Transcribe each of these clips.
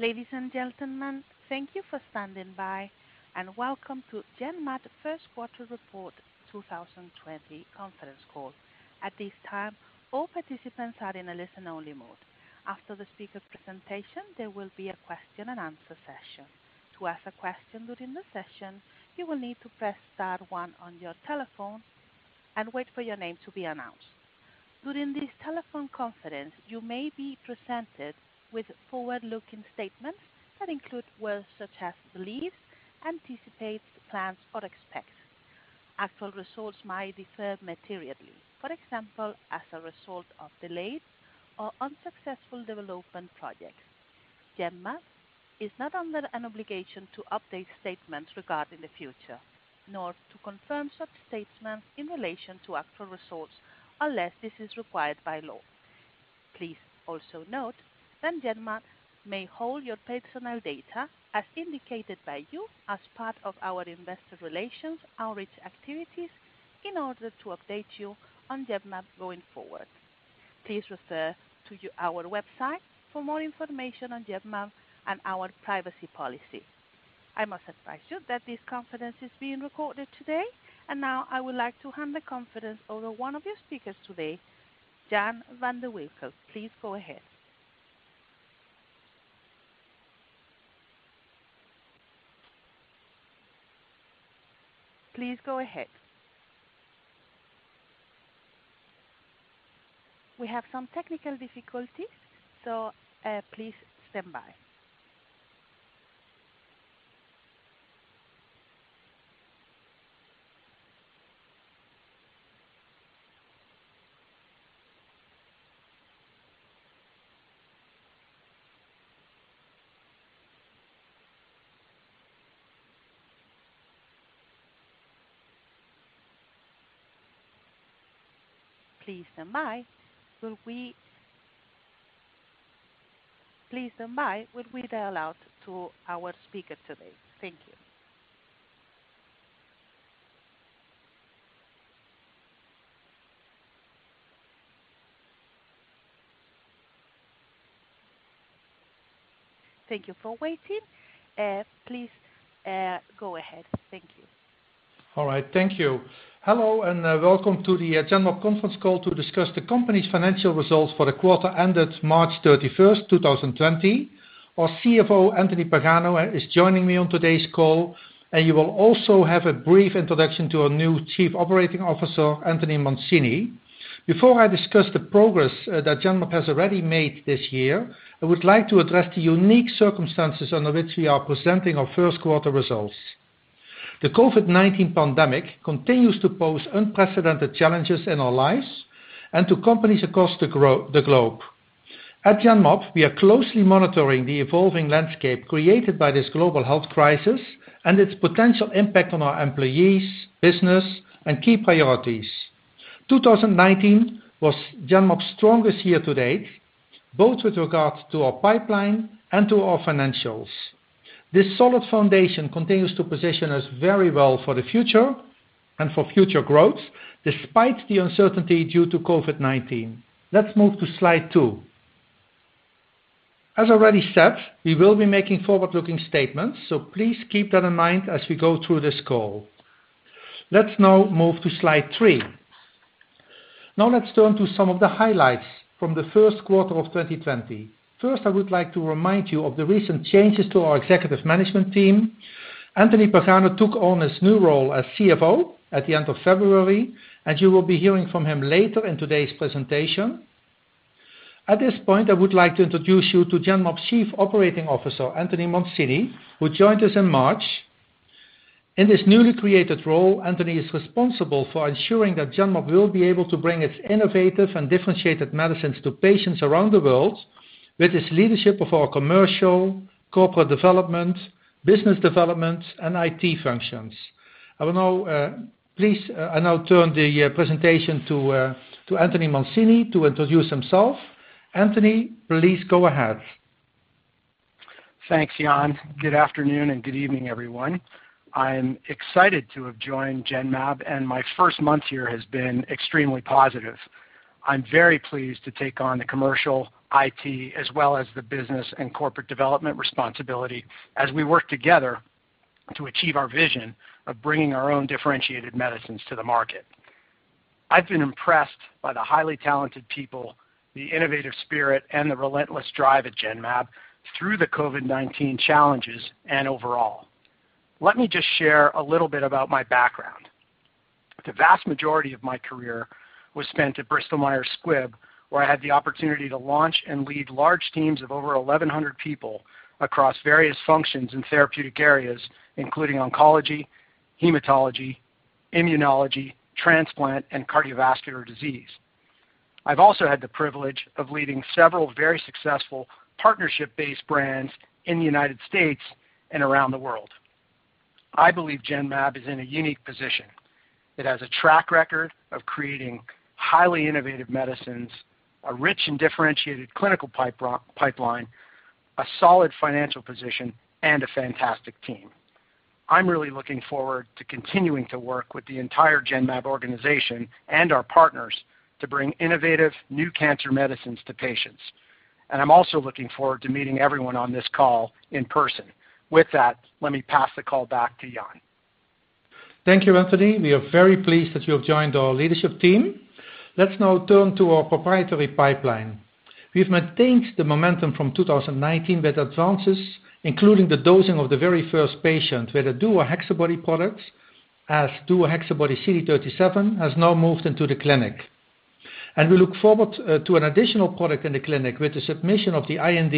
Ladies and gentlemen, thank you for standing by and welcome to Genmab First Quarter Report 2020 Conference Call. At this time, all participants are in a listen-only mode. After the speaker presentation, there will be a question and answer session. To ask a question during the session, you will need to press star one on your telephone and wait for your name to be announced. During this telephone conference, you may be presented with forward-looking statements that include words such as believe, anticipate, plans, or expect. Actual results may differ materially. For example, as a result of delays or unsuccessful development projects. Genmab is not under an obligation to update statements regarding the future, nor to confirm such statements in relation to actual results unless this is required by law. Please also note that Genmab may hold your personal data as indicated by you as part of our investor relations outreach activities in order to update you on Genmab going forward. Please refer to our website for more information on Genmab and our privacy policy. I must advise you that this conference is being recorded today. Now I would like to hand the conference over one of your speakers today, Jan van de Winkel. Please go ahead. We have some technical difficulties, please stand by. Please stand by while we dial out to our speaker today. Thank you. Thank you for waiting. Please go ahead. Thank you. All right. Thank you. Hello, and welcome to the Genmab conference call to discuss the company's financial results for the quarter ended March 31st, 2020. Our CFO, Anthony Pagano, is joining me on today's call. You will also have a brief introduction to our new Chief Operating Officer, Anthony Mancini. Before I discuss the progress that Genmab has already made this year, I would like to address the unique circumstances under which we are presenting our first quarter results. The COVID-19 pandemic continues to pose unprecedented challenges in our lives and to companies across the globe. At Genmab, we are closely monitoring the evolving landscape created by this global health crisis and its potential impact on our employees, business, and key priorities. 2019 was Genmab's strongest year to date, both with regards to our pipeline and to our financials. This solid foundation continues to position us very well for the future and for future growth, despite the uncertainty due to COVID-19. Let's move to slide two. As already said, we will be making forward-looking statements. Please keep that in mind as we go through this call. Let's now move to slide three. Now let's turn to some of the highlights from the first quarter of 2020. First, I would like to remind you of the recent changes to our executive management team. Anthony Pagano took on his new role as CFO at the end of February, and you will be hearing from him later in today's presentation. At this point, I would like to introduce you to Genmab's Chief Operating Officer, Anthony Mancini, who joined us in March. In this newly created role, Anthony is responsible for ensuring that Genmab will be able to bring its innovative and differentiated medicines to patients around the world with his leadership of our commercial, corporate development, business development, and IT functions. I will now turn the presentation to Anthony Mancini to introduce himself. Anthony, please go ahead. Thanks, Jan. Good afternoon and good evening, everyone. I'm excited to have joined Genmab, my first month here has been extremely positive. I'm very pleased to take on the commercial, IT, as well as the business and corporate development responsibility as we work together to achieve our vision of bringing our own differentiated medicines to the market. I've been impressed by the highly talented people, the innovative spirit, and the relentless drive at Genmab through the COVID-19 challenges and overall. Let me just share a little bit about my background. The vast majority of my career was spent at Bristol Myers Squibb, where I had the opportunity to launch and lead large teams of over 1,100 people across various functions in therapeutic areas, including oncology, hematology, immunology, transplant, and cardiovascular disease. I've also had the privilege of leading several very successful partnership-based brands in the U.S. and around the world. I believe Genmab is in a unique position. It has a track record of creating highly innovative medicines, a rich and differentiated clinical pipeline, a solid financial position, and a fantastic team. I'm really looking forward to continuing to work with the entire Genmab organization and our partners to bring innovative new cancer medicines to patients, and I'm also looking forward to meeting everyone on this call in person. With that, let me pass the call back to Jan. Thank you, Anthony. We are very pleased that you have joined our leadership team. Let's now turn to our proprietary pipeline. We've maintained the momentum from 2019 with advances, including the dosing of the very first patient with a DuoHexaBody product, as DuoHexaBody-CD37 has now moved into the clinic. We look forward to an additional product in the clinic with the submission of the IND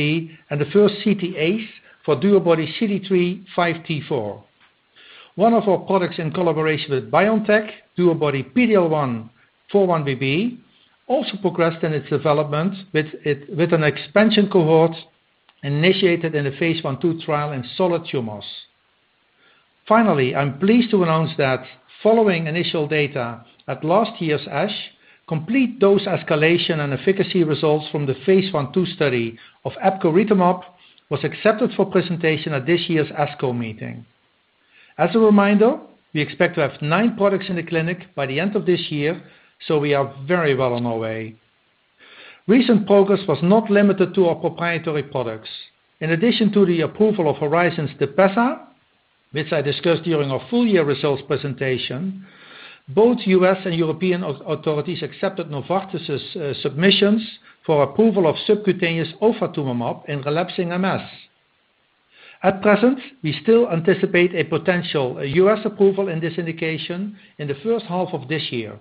and the first CTAs for DuoBody-CD3x5T4. One of our products in collaboration with BioNTech, DuoBody-PD-L1x4-1BB, also progressed in its development with an expansion cohort initiated in a phase I/II trial in solid tumors. Finally, I'm pleased to announce that following initial data at last year's ASH, complete dose escalation and efficacy results from the phase I/II study of epcoritamab was accepted for presentation at this year's ASCO meeting. As a reminder, we expect to have nine products in the clinic by the end of this year, so we are very well on our way. Recent progress was not limited to our proprietary products. In addition to the approval of Horizon's TEPEZZA, which I discussed during our full year results presentation, both U.S. and European authorities accepted Novartis' submissions for approval of subcutaneous ofatumumab in relapsing MS. At present, we still anticipate a potential U.S. approval in this indication in the first half of this year.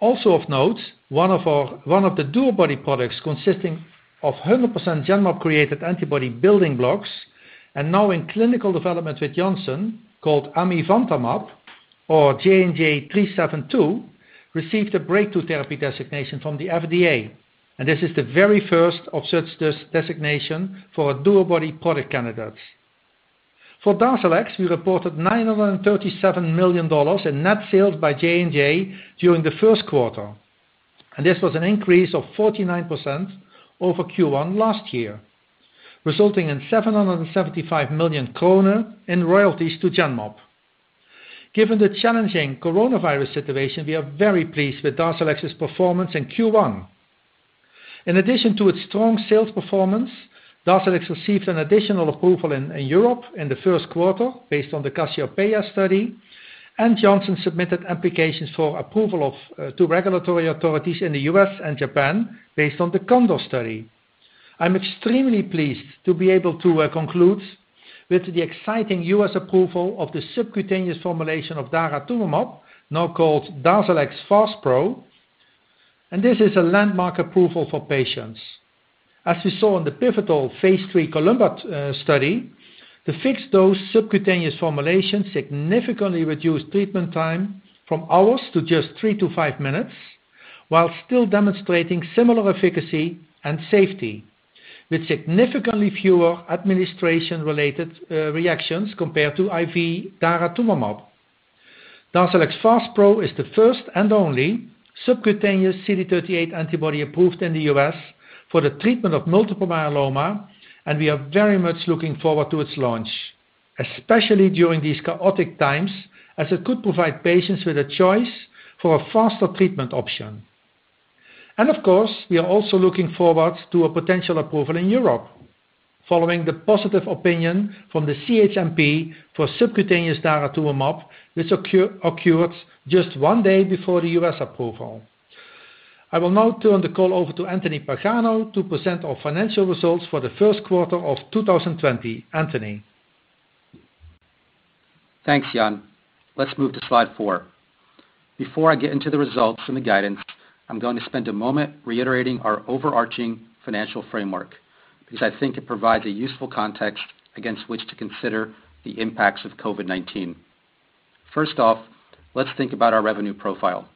Of note, one of the DuoBody products consisting of 100% Genmab-created antibody building blocks and now in clinical development with Janssen called amivantamab or JNJ-372, received a breakthrough therapy designation from the FDA, and this is the very first of such designation for a DuoBody product candidate. For Darzalex, we reported $937 million in net sales by J&J during the first quarter, this was an increase of 49% over Q1 last year, resulting in 775 million kroner in royalties to Genmab. Given the challenging COVID-19 situation, we are very pleased with Darzalex's performance in Q1. In addition to its strong sales performance, Darzalex received an additional approval in Europe in the first quarter based on the CASSIOPEIA study, Janssen submitted applications for approval to regulatory authorities in the U.S. and Japan based on the CONDOR study. I'm extremely pleased to be able to conclude with the exciting U.S. approval of the subcutaneous formulation of daratumumab, now called Darzalex Faspro, this is a landmark approval for patients. As we saw in the pivotal Phase III COLUMBA study, the fixed-dose subcutaneous formulation significantly reduced treatment time from hours to just three to five minutes, while still demonstrating similar efficacy and safety with significantly fewer administration-related reactions compared to IV daratumumab. DARZALEX FASPRO is the first and only subcutaneous CD38 antibody approved in the U.S. for the treatment of multiple myeloma, we are very much looking forward to its launch, especially during these chaotic times, as it could provide patients with a choice for a faster treatment option. Of course, we are also looking forward to a potential approval in Europe, following the positive opinion from the CHMP for subcutaneous daratumumab, which occurred just one day before the U.S. approval. I will now turn the call over to Anthony Pagano to present our financial results for the first quarter of 2020. Anthony? Thanks, Jan. Let's move to slide four. Before I get into the results and the guidance, I'm going to spend a moment reiterating our overarching financial framework because I think it provides a useful context against which to consider the impacts of COVID-19. First off, let's think about our revenue profile.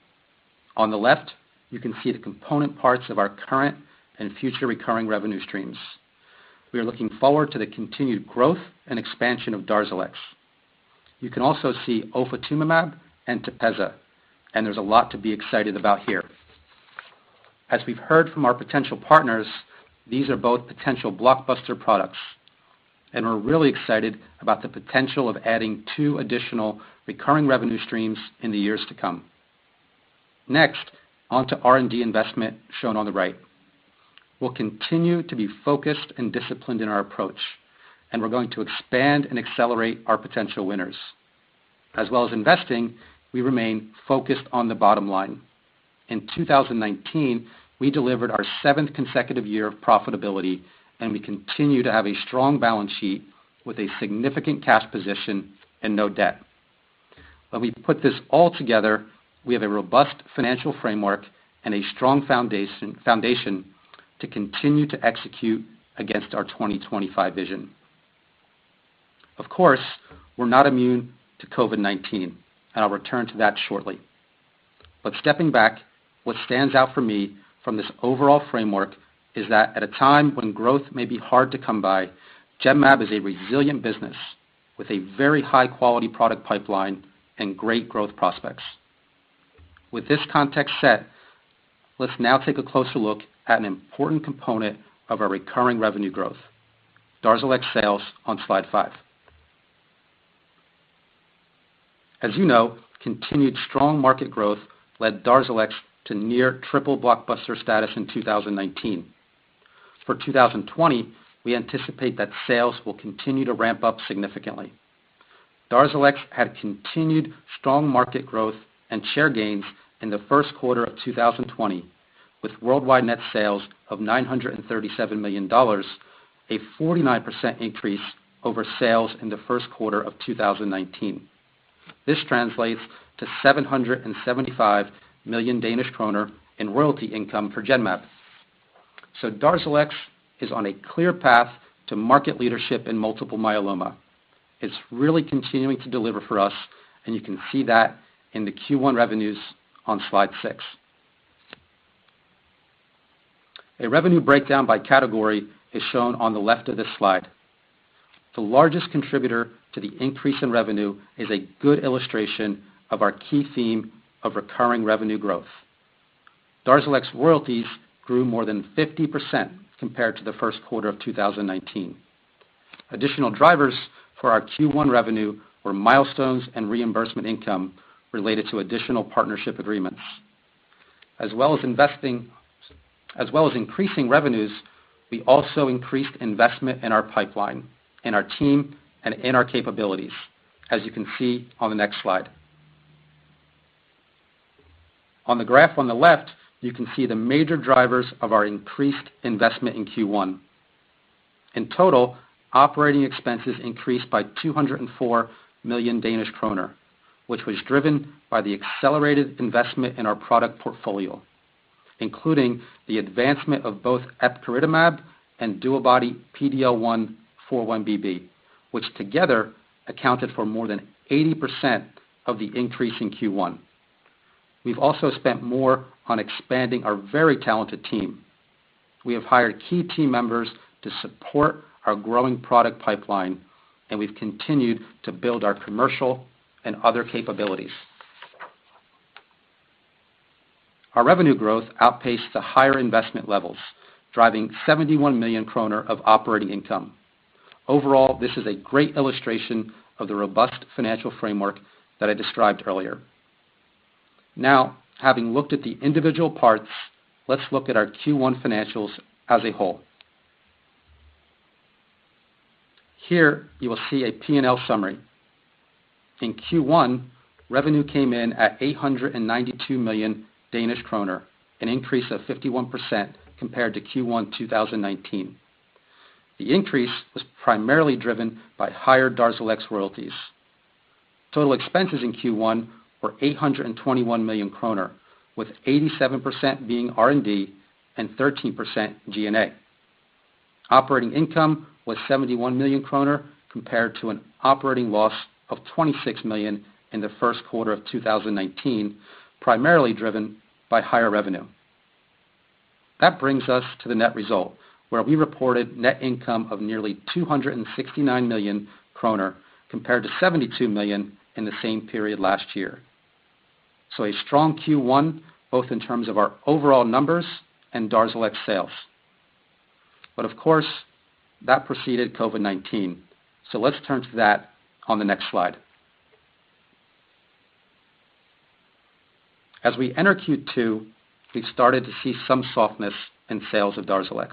On the left, you can see the component parts of our current and future recurring revenue streams. We are looking forward to the continued growth and expansion of DARZALEX. You can also see ofatumumab and TEPEZZA, and there's a lot to be excited about here. As we've heard from our potential partners, these are both potential blockbuster products, and we're really excited about the potential of adding two additional recurring revenue streams in the years to come. Next, on to R&D investment shown on the right. We'll continue to be focused and disciplined in our approach, and we're going to expand and accelerate our potential winners. As well as investing, we remain focused on the bottom line. In 2019, we delivered our seventh consecutive year of profitability, and we continue to have a strong balance sheet with a significant cash position and no debt. When we put this all together, we have a robust financial framework and a strong foundation to continue to execute against our 2025 vision. Of course, we're not immune to COVID-19, and I'll return to that shortly. Stepping back, what stands out for me from this overall framework is that at a time when growth may be hard to come by, Genmab is a resilient business with a very high-quality product pipeline and great growth prospects. With this context set, let's now take a closer look at an important component of our recurring revenue growth, DARZALEX sales on slide five. As you know, continued strong market growth led DARZALEX to near triple blockbuster status in 2019. For 2020, we anticipate that sales will continue to ramp up significantly. DARZALEX had continued strong market growth and share gains in the first quarter of 2020, with worldwide net sales of $937 million, a 49% increase over sales in the first quarter of 2019. This translates to 775 million Danish kroner in royalty income for Genmab. DARZALEX is on a clear path to market leadership in multiple myeloma. It's really continuing to deliver for us, and you can see that in the Q1 revenues on slide six. A revenue breakdown by category is shown on the left of this slide. The largest contributor to the increase in revenue is a good illustration of our key theme of recurring revenue growth. DARZALEX royalties grew more than 50% compared to the first quarter of 2019. Additional drivers for our Q1 revenue were milestones and reimbursement income related to additional partnership agreements. As well as increasing revenues, we also increased investment in our pipeline, in our team, and in our capabilities, as you can see on the next slide. On the graph on the left, you can see the major drivers of our increased investment in Q1. In total, operating expenses increased by 204 million Danish kroner, which was driven by the accelerated investment in our product portfolio, including the advancement of both epcoritamab and DuoBody-PD-L1 x4-1BB, which together accounted for more than 80% of the increase in Q1. We've also spent more on expanding our very talented team. We have hired key team members to support our growing product pipeline, and we've continued to build our commercial and other capabilities. Our revenue growth outpaced the higher investment levels, driving 71 million kroner of operating income. Overall, this is a great illustration of the robust financial framework that I described earlier. Now, having looked at the individual parts, let's look at our Q1 financials as a whole. Here, you will see a P&L summary. In Q1, revenue came in at 892 million Danish kroner, an increase of 51% compared to Q1 2019. The increase was primarily driven by higher DARZALEX royalties. Total expenses in Q1 were 821 million kroner, with 87% being R&D and 13% G&A. Operating income was 71 million kroner compared to an operating loss of 26 million in the first quarter of 2019, primarily driven by higher revenue. That brings us to the net result, where we reported net income of nearly 269 million kroner, compared to 72 million in the same period last year. A strong Q1, both in terms of our overall numbers and DARZALEX sales. Of course, that preceded COVID-19. Let's turn to that on the next slide. As we enter Q2, we've started to see some softness in sales of DARZALEX.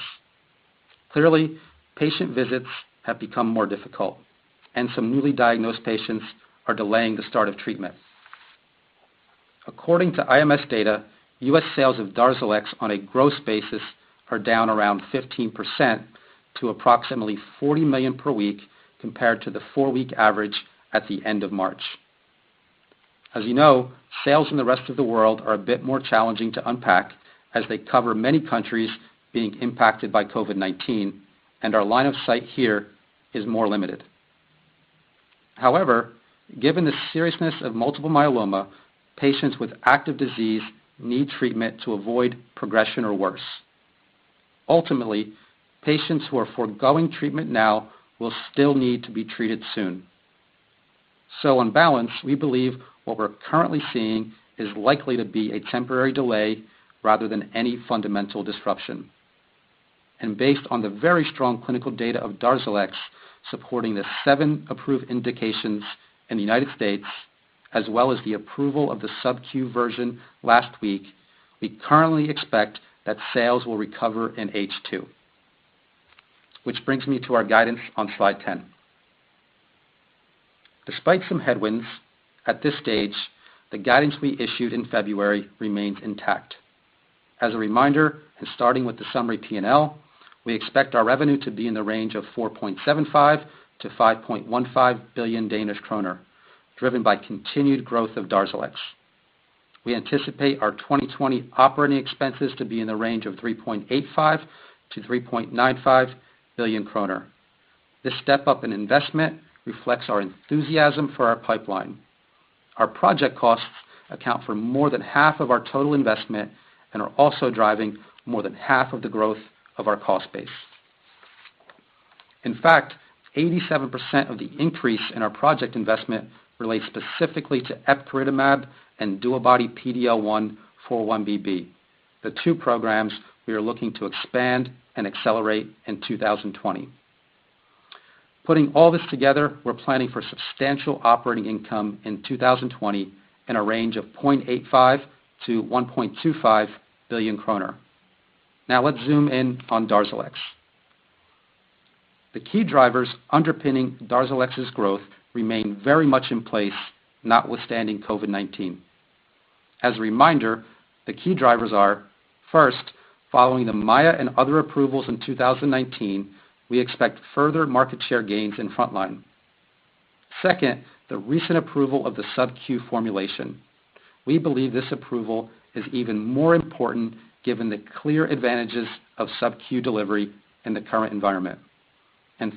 Clearly, patient visits have become more difficult, and some newly diagnosed patients are delaying the start of treatment. According to IMS data, U.S. sales of DARZALEX on a gross basis are down around 15% to approximately $40 million per week, compared to the four-week average at the end of March. You know, sales in the rest of the world are a bit more challenging to unpack as they cover many countries being impacted by COVID-19, and our line of sight here is more limited. Given the seriousness of multiple myeloma, patients with active disease need treatment to avoid progression or worse. Patients who are foregoing treatment now will still need to be treated soon. On balance, we believe what we're currently seeing is likely to be a temporary delay rather than any fundamental disruption. Based on the very strong clinical data of DARZALEX supporting the seven approved indications in the United States, as well as the approval of the subQ version last week, we currently expect that sales will recover in H2. Brings me to our guidance on slide 10. Despite some headwinds, at this stage, the guidance we issued in February remains intact. As a reminder, starting with the summary P&L, we expect our revenue to be in the range of 4.75 billion-5.15 billion Danish kroner, driven by continued growth of DARZALEX. We anticipate our 2020 operating expenses to be in the range of 3.85 billion-3.95 billion kroner. This step up in investment reflects our enthusiasm for our pipeline. Our project costs account for more than half of our total investment and are also driving more than half of the growth of our cost base. 87% of the increase in our project investment relates specifically to epcoritamab and DuoBody-PD-L1x4-1BB, the two programs we are looking to expand and accelerate in 2020. Putting all this together, we're planning for substantial operating income in 2020 in a range of 0.85 billion-1.25 billion kroner. Let's zoom in on DARZALEX. The key drivers underpinning DARZALEX's growth remain very much in place, notwithstanding COVID-19. The key drivers are, first, following the MAIA and other approvals in 2019, we expect further market share gains in frontline. Second, the recent approval of the subq formulation. We believe this approval is even more important given the clear advantages of subq delivery in the current environment.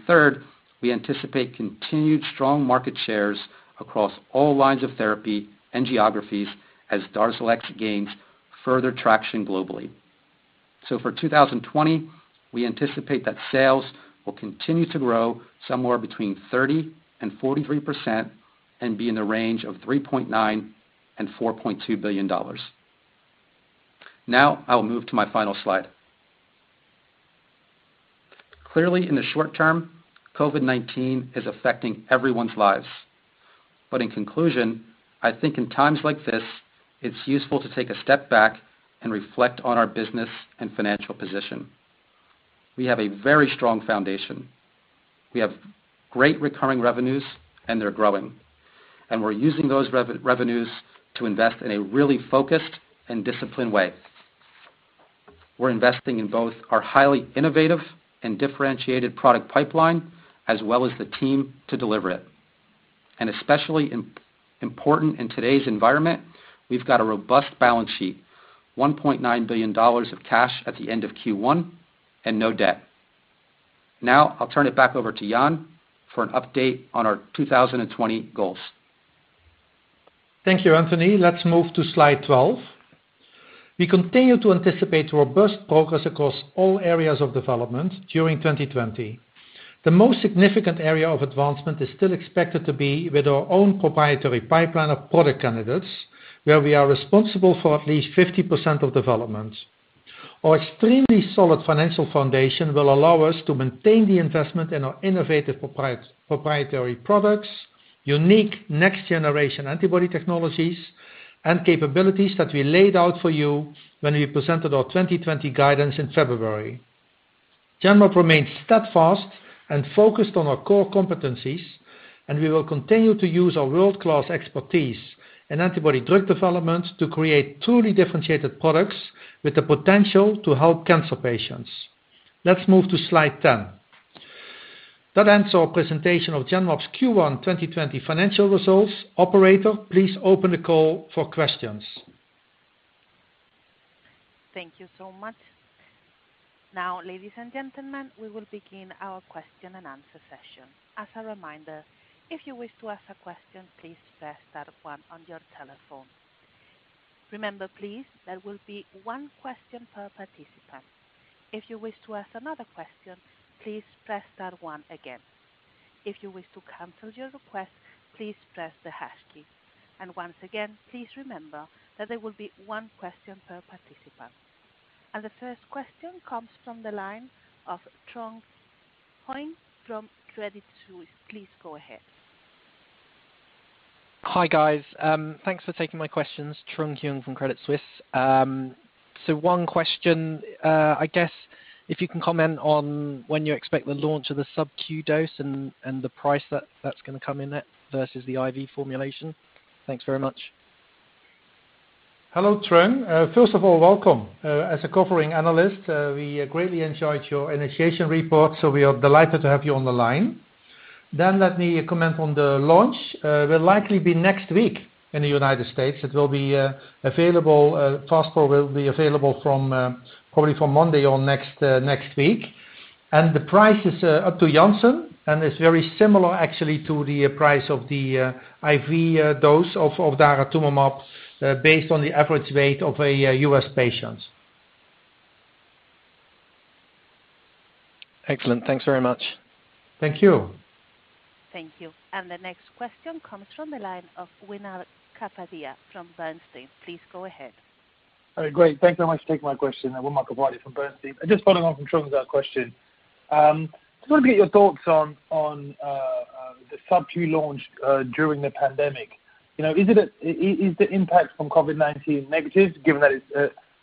Third, we anticipate continued strong market shares across all lines of therapy and geographies as DARZALEX gains further traction globally. For 2020, we anticipate that sales will continue to grow somewhere between 30% and 43% and be in the range of $3.9 billion-$4.2 billion. I'll move to my final slide. Clearly, in the short term, COVID-19 is affecting everyone's lives. In conclusion, I think in times like this, it's useful to take a step back and reflect on our business and financial position. We have a very strong foundation. We have great recurring revenues and they're growing, and we're using those revenues to invest in a really focused and disciplined way. We're investing in both our highly innovative and differentiated product pipeline, as well as the team to deliver it. Especially important in today's environment, we've got a robust balance sheet, DKK 1.9 billion of cash at the end of Q1 and no debt. I'll turn it back over to Jan for an update on our 2020 goals. Thank you, Anthony. Let's move to slide 12. We continue to anticipate robust progress across all areas of development during 2020. The most significant area of advancement is still expected to be with our own proprietary pipeline of product candidates, where we are responsible for at least 50% of development. Our extremely solid financial foundation will allow us to maintain the investment in our innovative proprietary products, unique next-generation antibody technologies, and capabilities that we laid out for you when we presented our 2020 guidance in February. Genmab remains steadfast and focused on our core competencies, and we will continue to use our world-class expertise in antibody drug development to create truly differentiated products with the potential to help cancer patients. Let's move to slide 10. That ends our presentation of Genmab's Q1 2020 financial results. Operator, please open the call for questions. Thank you so much. Now, ladies and gentlemen, we will begin our question and answer session. As a reminder, if you wish to ask a question, please press star one on your telephone. Remember, please, there will be one question per participant. If you wish to ask another question, please press star one again. If you wish to cancel your request, please press the hash key. Once again, please remember that there will be one question per participant. The first question comes from the line of Trung Huynh from Credit Suisse. Please go ahead. Hi, guys. Thanks for taking my questions. Trung Huynh from Credit Suisse. One question. I guess if you can comment on when you expect the launch of the subq dose and the price that's going to come in at versus the IV formulation. Thanks very much. Hello, Trung. First of all, welcome. As a covering analyst, we greatly enjoyed your initiation report, so we are delighted to have you on the line. Let me comment on the launch. It will likely be next week in the U.S. It will be available, FASPRO will be available probably from Monday or next week. The price is up to Janssen, and it's very similar actually to the price of the IV dose of daratumumab, based on the average weight of a U.S. patient. Excellent. Thanks very much. Thank you. Thank you. The next question comes from the line of Wimal Kapadia from Bernstein. Please go ahead. Great. Thanks very much for taking my question. Wimal Kapadia from Bernstein. Following on from Trung's question, just want to get your thoughts on the subq launch during the pandemic. Is the impact from COVID-19 negative given that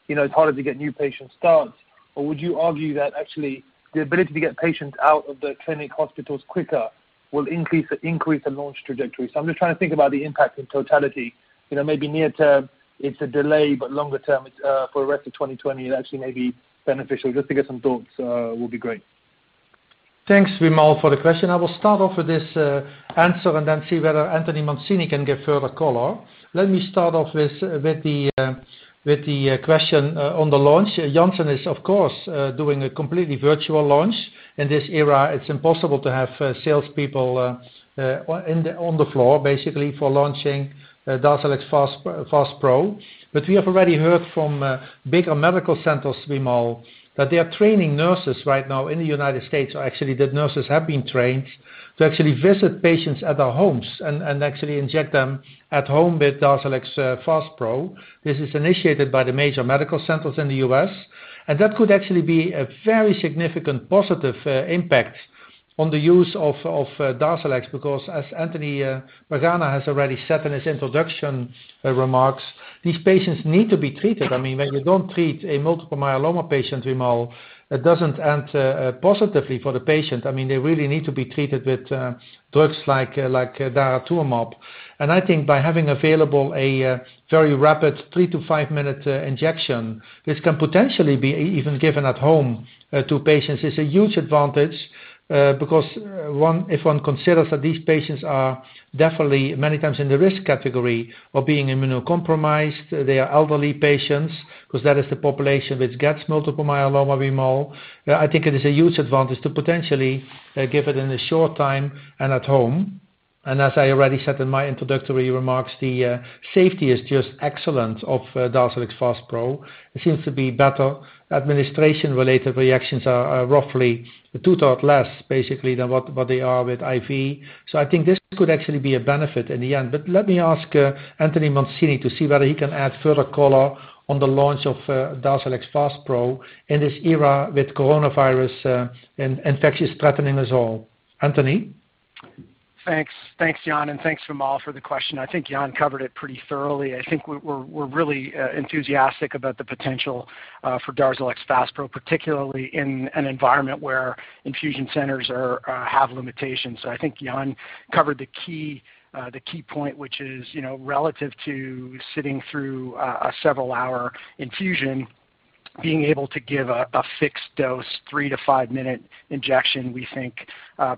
it's harder to get new patients started? Would you argue that actually the ability to get patients out of the clinic hospitals quicker will increase the launch trajectory? I'm just trying to think about the impact in totality. Maybe near term it's a delay, but longer term, for the rest of 2020, it actually may be beneficial. To get some thoughts will be great. Thanks, Wimal, for the question. I will start off with this answer and then see whether Anthony Mancini can give further color. Let me start off with the question on the launch. Janssen is, of course, doing a completely virtual launch. In this era, it's impossible to have salespeople on the floor, basically, for launching DARZALEX FASPRO. We have already heard from bigger medical centers, Wimal, that they are training nurses right now in the U.S. Actually, the nurses have been trained to actually visit patients at their homes and actually inject them at home with DARZALEX FASPRO. This is initiated by the major medical centers in the U.S., and that could actually be a very significant positive impact on the use of DARZALEX, because as Anthony Pagano has already said in his introduction remarks, these patients need to be treated. When you don't treat a multiple myeloma patient, Wimal, it doesn't end positively for the patient. They really need to be treated with drugs like daratumumab. I think by having available a very rapid three-to-five-minute injection, which can potentially be even given at home to patients, is a huge advantage, because if one considers that these patients are definitely many times in the risk category of being immunocompromised, they are elderly patients, because that is the population which gets multiple myeloma, Wimal. I think it is a huge advantage to potentially give it in a short time and at home. As I already said in my introductory remarks, the safety is just excellent of DARZALEX FASPRO. It seems to be better. Administration-related reactions are roughly two-third less basically than what they are with IV. I think this could actually be a benefit in the end. Let me ask Anthony Mancini to see whether he can add further color on the launch of DARZALEX FASPRO in this era with coronavirus and infections threatening us all. Anthony? Thanks, Jan, thanks, Wimal, for the question. I think Jan covered it pretty thoroughly. I think we're really enthusiastic about the potential for DARZALEX FASPRO, particularly in an environment where infusion centers have limitations. I think Jan covered the key point, which is, relative to sitting through a several-hour infusion, being able to give a fixed-dose, three-to-five-minute injection, we think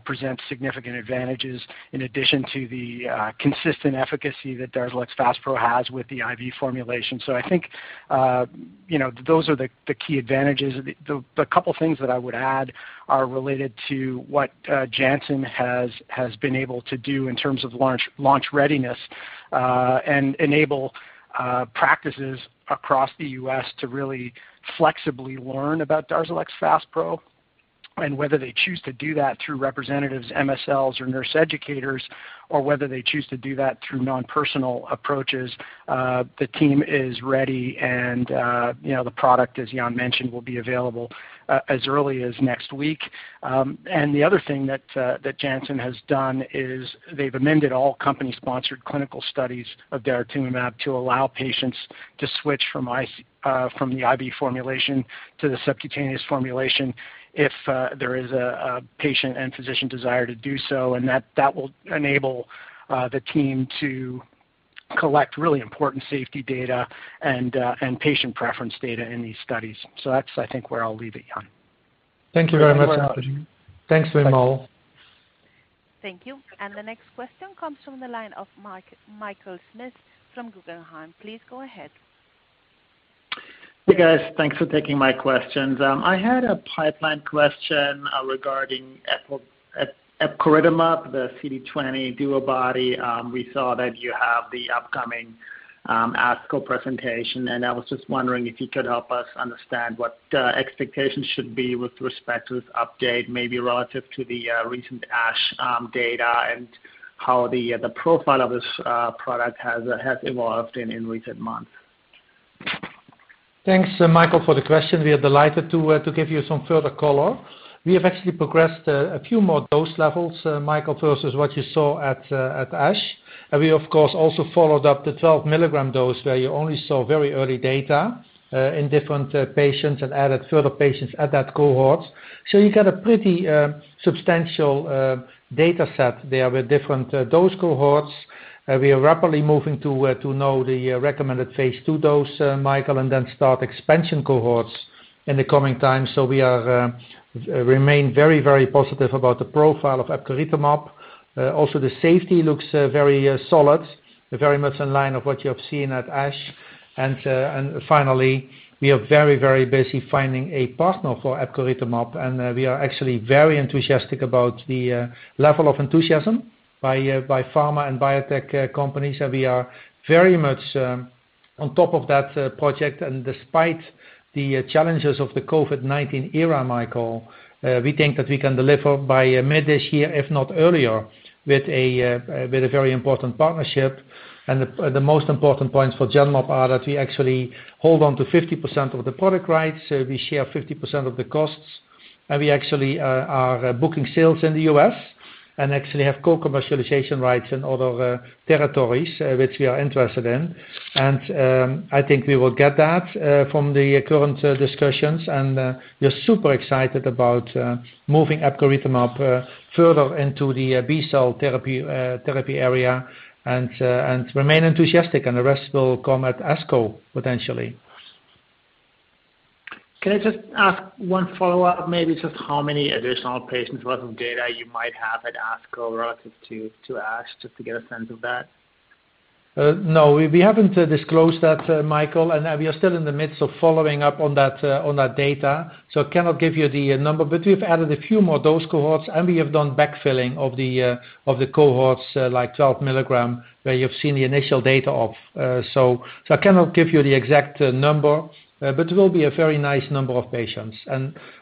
presents significant advantages in addition to the consistent efficacy that DARZALEX FASPRO has with the IV formulation. I think those are the key advantages. The couple things that I would add are related to what Janssen has been able to do in terms of launch readiness, and enable practices across the U.S. to really flexibly learn about DARZALEX FASPRO, and whether they choose to do that through representatives, MSLs, or nurse educators, or whether they choose to do that through non-personal approaches. The team is ready. The product, as Jan mentioned, will be available as early as next week. The other thing that Janssen has done is they've amended all company-sponsored clinical studies of daratumumab to allow patients to switch from the IV formulation to the subcutaneous formulation if there is a patient and physician desire to do so. That will enable the team to collect really important safety data and patient preference data in these studies. That's, I think, where I'll leave it, Jan. Thank you very much, Anthony. Thanks, Wimal. Thank you. The next question comes from the line of Michael Schmidt from Guggenheim. Please go ahead. Hey, guys. Thanks for taking my questions. I had a pipeline question regarding epcoritamab, the CD20 DuoBody. We saw that you have the upcoming ASCO presentation. I was just wondering if you could help us understand what the expectations should be with respect to this update, maybe relative to the recent ASH data and how the profile of this product has evolved in recent months. Thanks, Michael, for the question. We are delighted to give you some further color. We have actually progressed a few more dose levels, Michael, versus what you saw at ASH. We, of course, also followed up the 12-milligram dose where you only saw very early data in different patients and added further patients at that cohort. You got a pretty substantial dataset there with different dose cohorts. We are rapidly moving to know the recommended phase II dose, Michael, and then start expansion cohorts in the coming time. We remain very positive about the profile of epcoritamab. Also, the safety looks very solid, very much in line of what you have seen at ASH. Finally, we are very busy finding a partner for epcoritamab, and we are actually very enthusiastic about the level of enthusiasm by pharma and biotech companies. We are very much on top of that project. Despite the challenges of the COVID-19 era, Michael, we think that we can deliver by mid this year, if not earlier, with a very important partnership. The most important points for Genmab are that we actually hold on to 50% of the product rights, we share 50% of the costs, and we actually are booking sales in the U.S. and actually have co-commercialization rights in other territories which we are interested in. I think we will get that from the current discussions. We are super excited about moving epcoritamab further into the B-cell therapy area and remain enthusiastic, and the rest will come at ASCO, potentially. Can I just ask one follow-up, maybe just how many additional patients worth of data you might have at ASCO relative to ASH, just to get a sense of that? No, we haven't disclosed that, Michael, and we are still in the midst of following up on that data. Cannot give you the number, but we've added a few more dose cohorts, and we have done backfilling of the cohorts, like 12 milligrams, where you've seen the initial data of. I cannot give you the exact number, but it will be a very nice number of patients.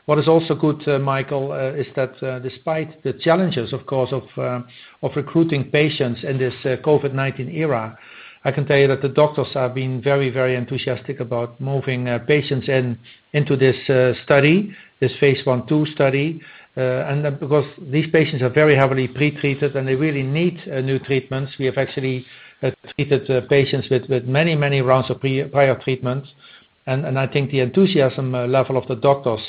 What is also good, Michael, is that despite the challenges, of course, of recruiting patients in this COVID-19 era, I can tell you that the doctors have been very enthusiastic about moving patients into this study, this Phase I/II study. Because these patients are very heavily pretreated and they really need new treatments, we have actually treated patients with many rounds of prior treatment. I think the enthusiasm level of the doctors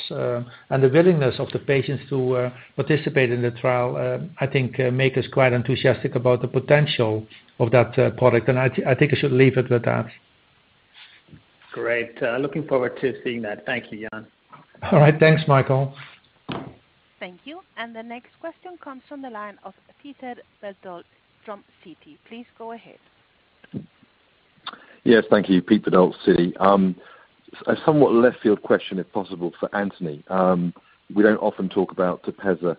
and the willingness of the patients to participate in the trial, I think make us quite enthusiastic about the potential of that product. I think I should leave it with that. Great. Looking forward to seeing that. Thank you, Jan. All right. Thanks, Michael. Thank you. The next question comes from the line of Peter Verdult from Citi. Please go ahead. Yes, thank you. Peter Verdult, Citi. A somewhat left field question, if possible, for Anthony. We don't often talk about TEPEZZA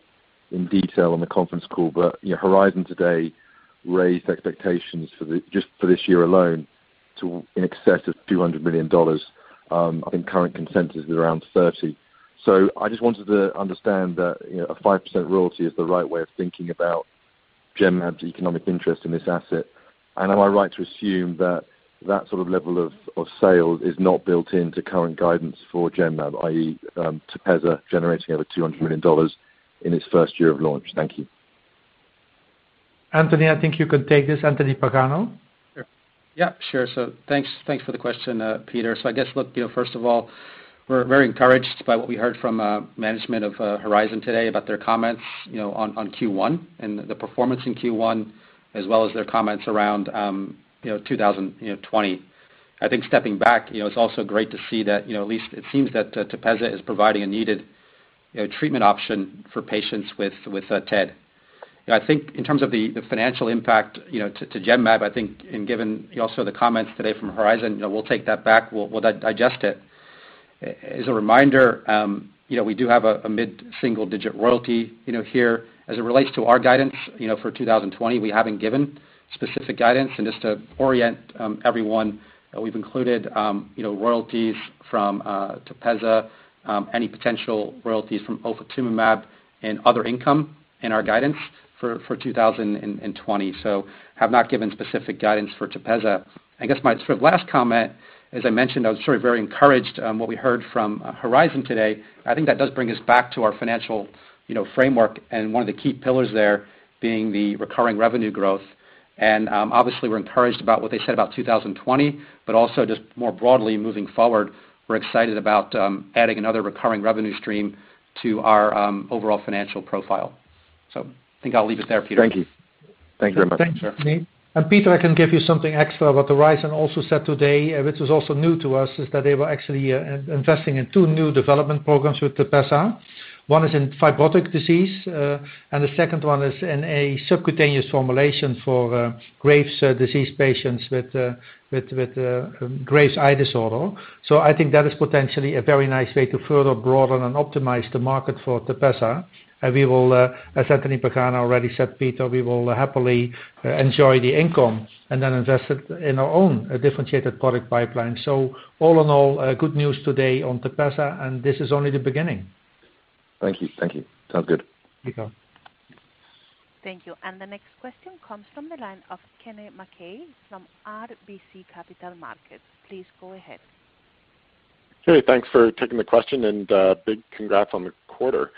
in detail on the conference call. Horizon today raised expectations just for this year alone, to in excess of $200 million. I think current consensus is around $30 million. I just wanted to understand that a 5% royalty is the right way of thinking about Genmab's economic interest in this asset. Am I right to assume that sort of level of sales is not built into current guidance for Genmab, i.e., TEPEZZA generating over $200 million in its first year of launch? Thank you. Anthony, I think you can take this. Anthony Pagano? Sure. Yeah, sure. Thanks for the question, Peter. First of all, we're very encouraged by what we heard from management of Horizon today about their comments on Q1 and the performance in Q1, as well as their comments around 2020. Stepping back, it's also great to see that at least it seems that Tepezza is providing a needed treatment option for patients with TED. In terms of the financial impact to Genmab, and given also the comments today from Horizon, we'll take that back. We'll digest it. As a reminder, we do have a mid-single-digit royalty here. As it relates to our guidance, for 2020, we haven't given specific guidance. Just to orient everyone, we've included royalties from Tepezza, any potential royalties from Ofatumumab and other income in our guidance for 2020. Have not given specific guidance for TEPEZZA. I guess my sort of last comment, as I mentioned, I was very encouraged on what we heard from Horizon today. I think that does bring us back to our financial framework and one of the key pillars there being the recurring revenue growth. Obviously, we're encouraged about what they said about 2020, but also just more broadly moving forward, we're excited about adding another recurring revenue stream to our overall financial profile. I think I'll leave it there, Peter. Thank you. Thank you very much. Sure. Peter, I can give you something extra. What Horizon Therapeutics also said today, which was also new to us, is that they were actually investing in two new development programs with TEPEZZA. One is in fibrotic disease, and the second one is in a subcutaneous formulation for Graves' disease patients with Graves' eye disorder. I think that is potentially a very nice way to further broaden and optimize the market for TEPEZZA. As Anthony Pagano already said, Peter, we will happily enjoy the income and then invest it in our own differentiated product pipeline. All in all, good news today on TEPEZZA, and this is only the beginning. Thank you. Sounds good. You're welcome. Thank you. The next question comes from the line of Kennen MacKay from RBC Capital Markets. Please go ahead. Hey, thanks for taking the question and big congrats on the quarter.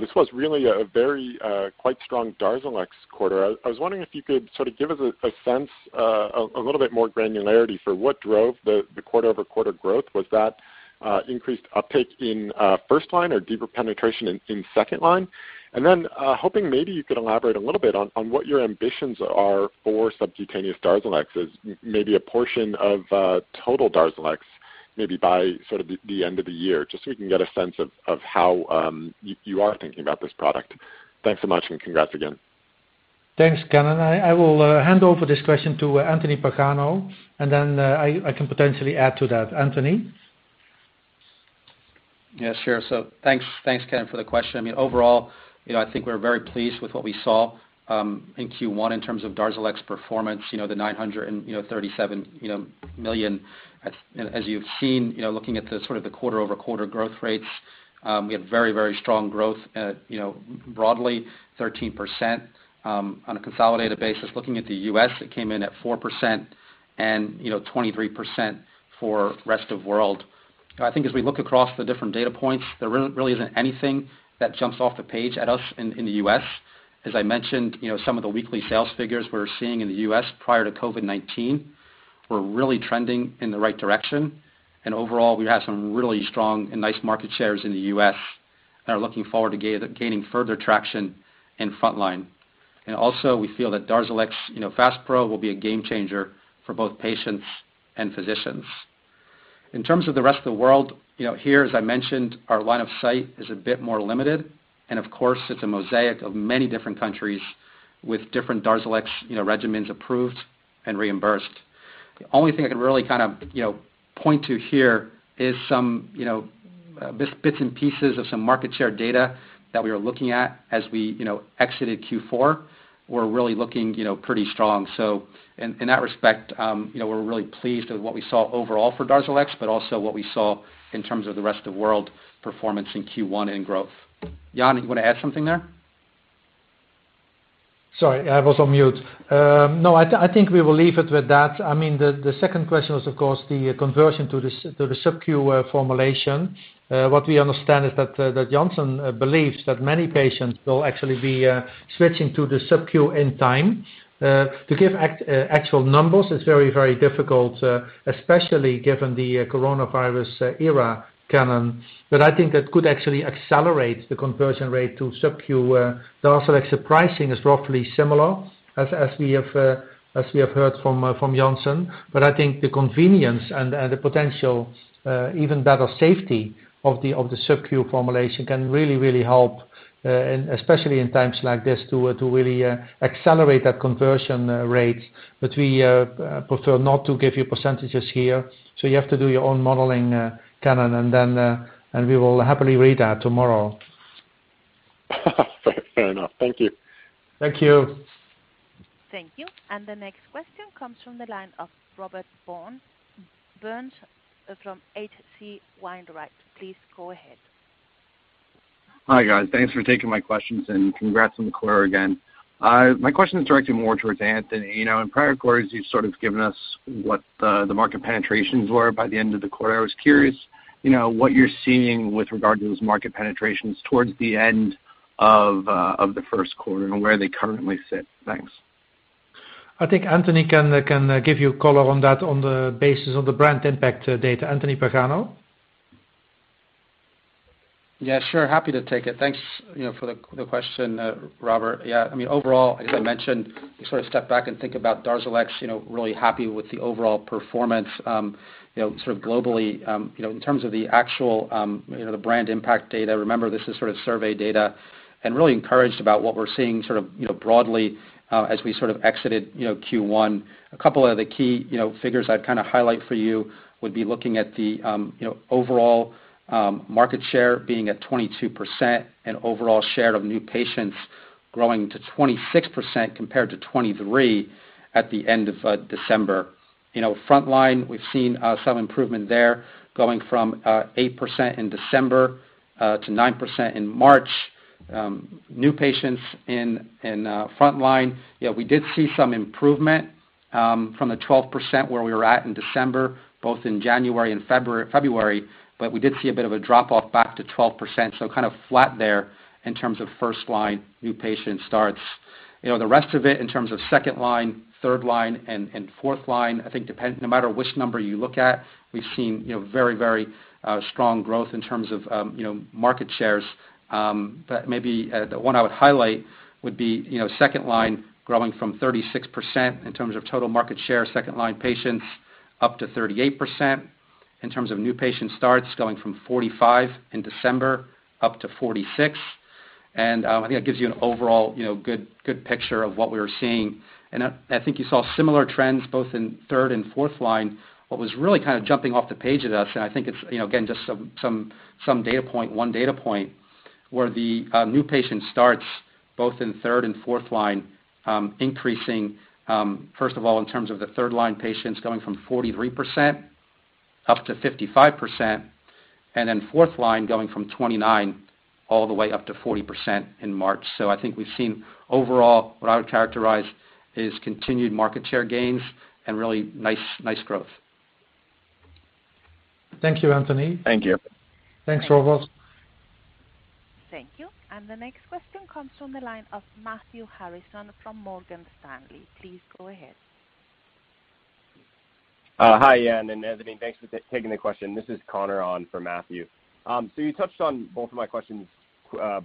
This was really a very quite strong DARZALEX quarter. I was wondering if you could sort of give us a sense, a little bit more granularity for what drove the quarter-over-quarter growth. Was that increased uptake in first-line or deeper penetration in second-line? Then, hoping maybe you could elaborate a little bit on what your ambitions are for subcutaneous DARZALEX as maybe a portion of total DARZALEX, maybe by sort of the end of the year, just so we can get a sense of how you are thinking about this product. Thanks so much, and congrats again. Thanks, Kennen. I will hand over this question to Anthony Pagano. Then I can potentially add to that. Anthony? Yeah, sure. Thanks, Kennen, for the question. I mean, overall, I think we're very pleased with what we saw in Q1 in terms of DARZALEX performance, the $937 million, as you've seen, looking at the sort of the quarter-over-quarter growth rates. We had very strong growth at broadly 13% on a consolidated basis. Looking at the U.S., it came in at 4% and 23% for rest of world. I think as we look across the different data points, there really isn't anything that jumps off the page at us in the U.S. As I mentioned, some of the weekly sales figures we're seeing in the U.S. prior to COVID-19 were really trending in the right direction. Overall, we have some really strong and nice market shares in the U.S., and are looking forward to gaining further traction in frontline. Also, we feel that DARZALEX FASPRO will be a game changer for both patients and physicians. In terms of the rest of the world, here, as I mentioned, our line of sight is a bit more limited. Of course, it's a mosaic of many different countries with different DARZALEX regimens approved and reimbursed. The only thing I can really kind of point to here is some bits and pieces of some market share data that we are looking at as we exited Q4. We're really looking pretty strong. In that respect, we're really pleased with what we saw overall for DARZALEX, also what we saw in terms of the rest of world performance in Q1 and growth. Jan, you want to add something there? Sorry, I was on mute. I think we will leave it with that. The second question was, of course, the conversion to the subcu formulation. What we understand is that Johnson believes that many patients will actually be switching to the subcu in time. To give actual numbers is very difficult, especially given the coronavirus era, Kennen. I think that could actually accelerate the conversion rate to subcu. DARZALEX pricing is roughly similar, as we have heard from Janssen. I think the convenience and the potential even better safety of the subcu formulation can really help, especially in times like this, to really accelerate that conversion rate. We prefer not to give you percentages here, so you have to do your own modeling, Kennen, and we will happily read that tomorrow. Fair enough. Thank you. Thank you. Thank you. The next question comes from the line of Robert Burns from H.C. Wainwright. Please go ahead. Hi, guys. Thanks for taking my questions, and congrats on the quarter again. My question is directed more towards Anthony. In prior quarters, you've sort of given us what the market penetrations were by the end of the quarter. I was curious what you're seeing with regard to those market penetrations towards the end of the first quarter and where they currently sit. Thanks. I think Anthony can give you color on that on the basis of the brand impact data. Anthony Pagano? Yeah, sure. Happy to take it. Thanks for the question, Robert. Overall, as I mentioned, you sort of step back and think about DARZALEX, really happy with the overall performance globally. In terms of the actual brand impact data, remember, this is sort of survey data, and really encouraged about what we're seeing broadly as we exited Q1. A couple of the key figures I'd highlight for you would be looking at the overall market share being at 22% and overall share of new patients growing to 26% compared to 23% at the end of December. Front line, we've seen some improvement there, going from 8% in December to 9% in March. New patients in front line, we did see some improvement from the 12% where we were at in December, both in January and February, but we did see a bit of a drop off back to 12%. Kind of flat there in terms of first-line new patient starts. The rest of it, in terms of second-line, third-line, and fourth-line, I think no matter which number you look at, we've seen very strong growth in terms of market shares. Maybe the one I would highlight would be second-line growing from 36% in terms of total market share, second-line patients up to 38%. In terms of new patient starts, going from 45% in December up to 46%. I think that gives you an overall good picture of what we were seeing. I think you saw similar trends both in third and fourth line. What was really kind of jumping off the page at us, I think it's, again, just one data point, were the new patient starts both in third and fourth line increasing. First of all, in terms of the 3rd-line patients, going from 43% up to 55%, and then 4th-line going from 29% all the way up to 40% in March. I think we've seen overall what I would characterize as continued market share gains and really nice growth. Thank you, Anthony. Thank you. Thanks, Robert. Thank you. The next question comes from the line of Matthew Harrison from Morgan Stanley. Please go ahead. Hi, Jan and Anthony. Thanks for taking the question. This is Connor on for Matthew. You touched on both of my questions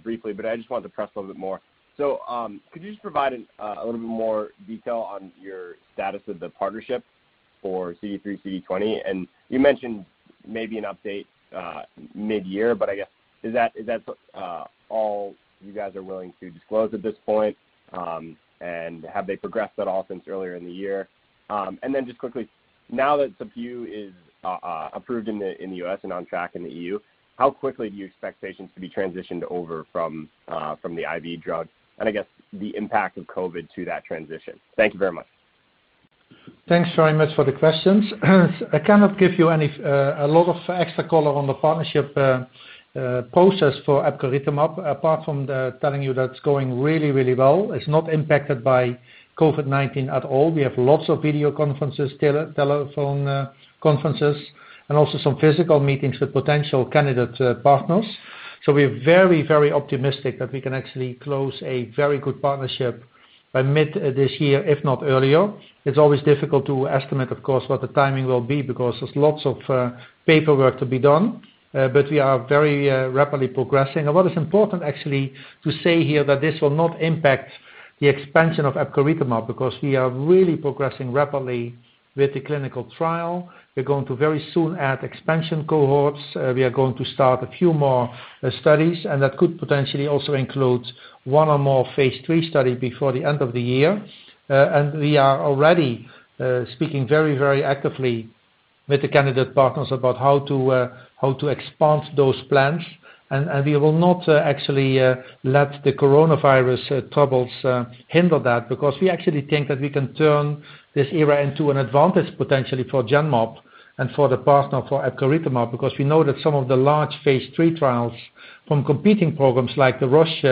briefly, but I just wanted to press a little bit more. Could you just provide a little bit more detail on your status of the partnership for CD3xCD20. You mentioned maybe an update mid-year, but I guess, is that all you guys are willing to disclose at this point? Have they progressed at all since earlier in the year? Just quickly, now that SubQ is approved in the U.S. and on track in the EU, how quickly do you expect patients to be transitioned over from the IV drug, and I guess the impact of COVID to that transition? Thank you very much. Thanks very much for the questions. I cannot give you a lot of extra color on the partnership process for epcoritamab, apart from telling you that it's going really, really well. It's not impacted by COVID-19 at all. We have lots of video conferences, telephone conferences, and also some physical meetings with potential candidate partners. We're very, very optimistic that we can actually close a very good partnership by mid this year, if not earlier. It's always difficult to estimate, of course, what the timing will be, because there's lots of paperwork to be done. We are very rapidly progressing. What is important, actually, to say here that this will not impact the expansion of epcoritamab, because we are really progressing rapidly with the clinical trial. We're going to very soon add expansion cohorts. We are going to start a few more studies, that could potentially also include one or more phase III study before the end of the year. We are already speaking very actively with the candidate partners about how to expand those plans. We will not actually let the coronavirus troubles hinder that, because we actually think that we can turn this era into an advantage potentially for Genmab and for the partner for epcoritamab, because we know that some of the large phase III trials from competing programs like the Roche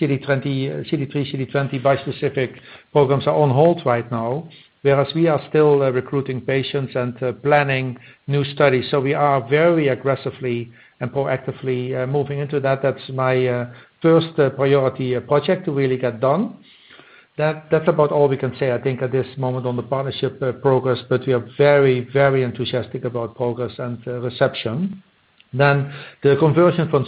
CD3xCD20 bispecific programs are on hold right now, whereas we are still recruiting patients and planning new studies. We are very aggressively and proactively moving into that. That's my first priority project to really get done. That's about all we can say, I think, at this moment on the partnership progress. We are very, very enthusiastic about progress and reception. The conversion from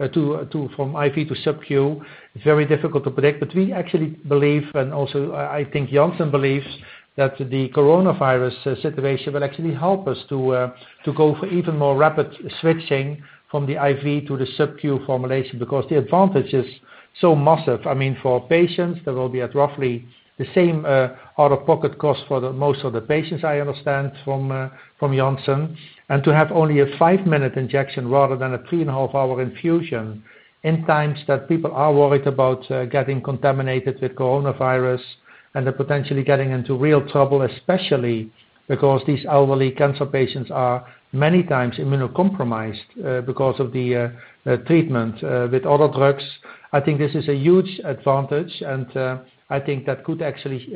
IV to subcu is very difficult to predict, but we actually believe, and also I think Janssen believes, that the Coronavirus situation will actually help us to go for even more rapid switching from the IV to the subcu formulation because the advantage is so massive. For patients, there will be at roughly the same out-of-pocket cost for most of the patients, I understand from Janssen. To have only a five-minute injection rather than a three-and-a-half-hour infusion in times that people are worried about getting contaminated with Coronavirus and then potentially getting into real trouble, especially because these elderly cancer patients are many times immunocompromised because of the treatment with other drugs. I think this is a huge advantage, and I think that could actually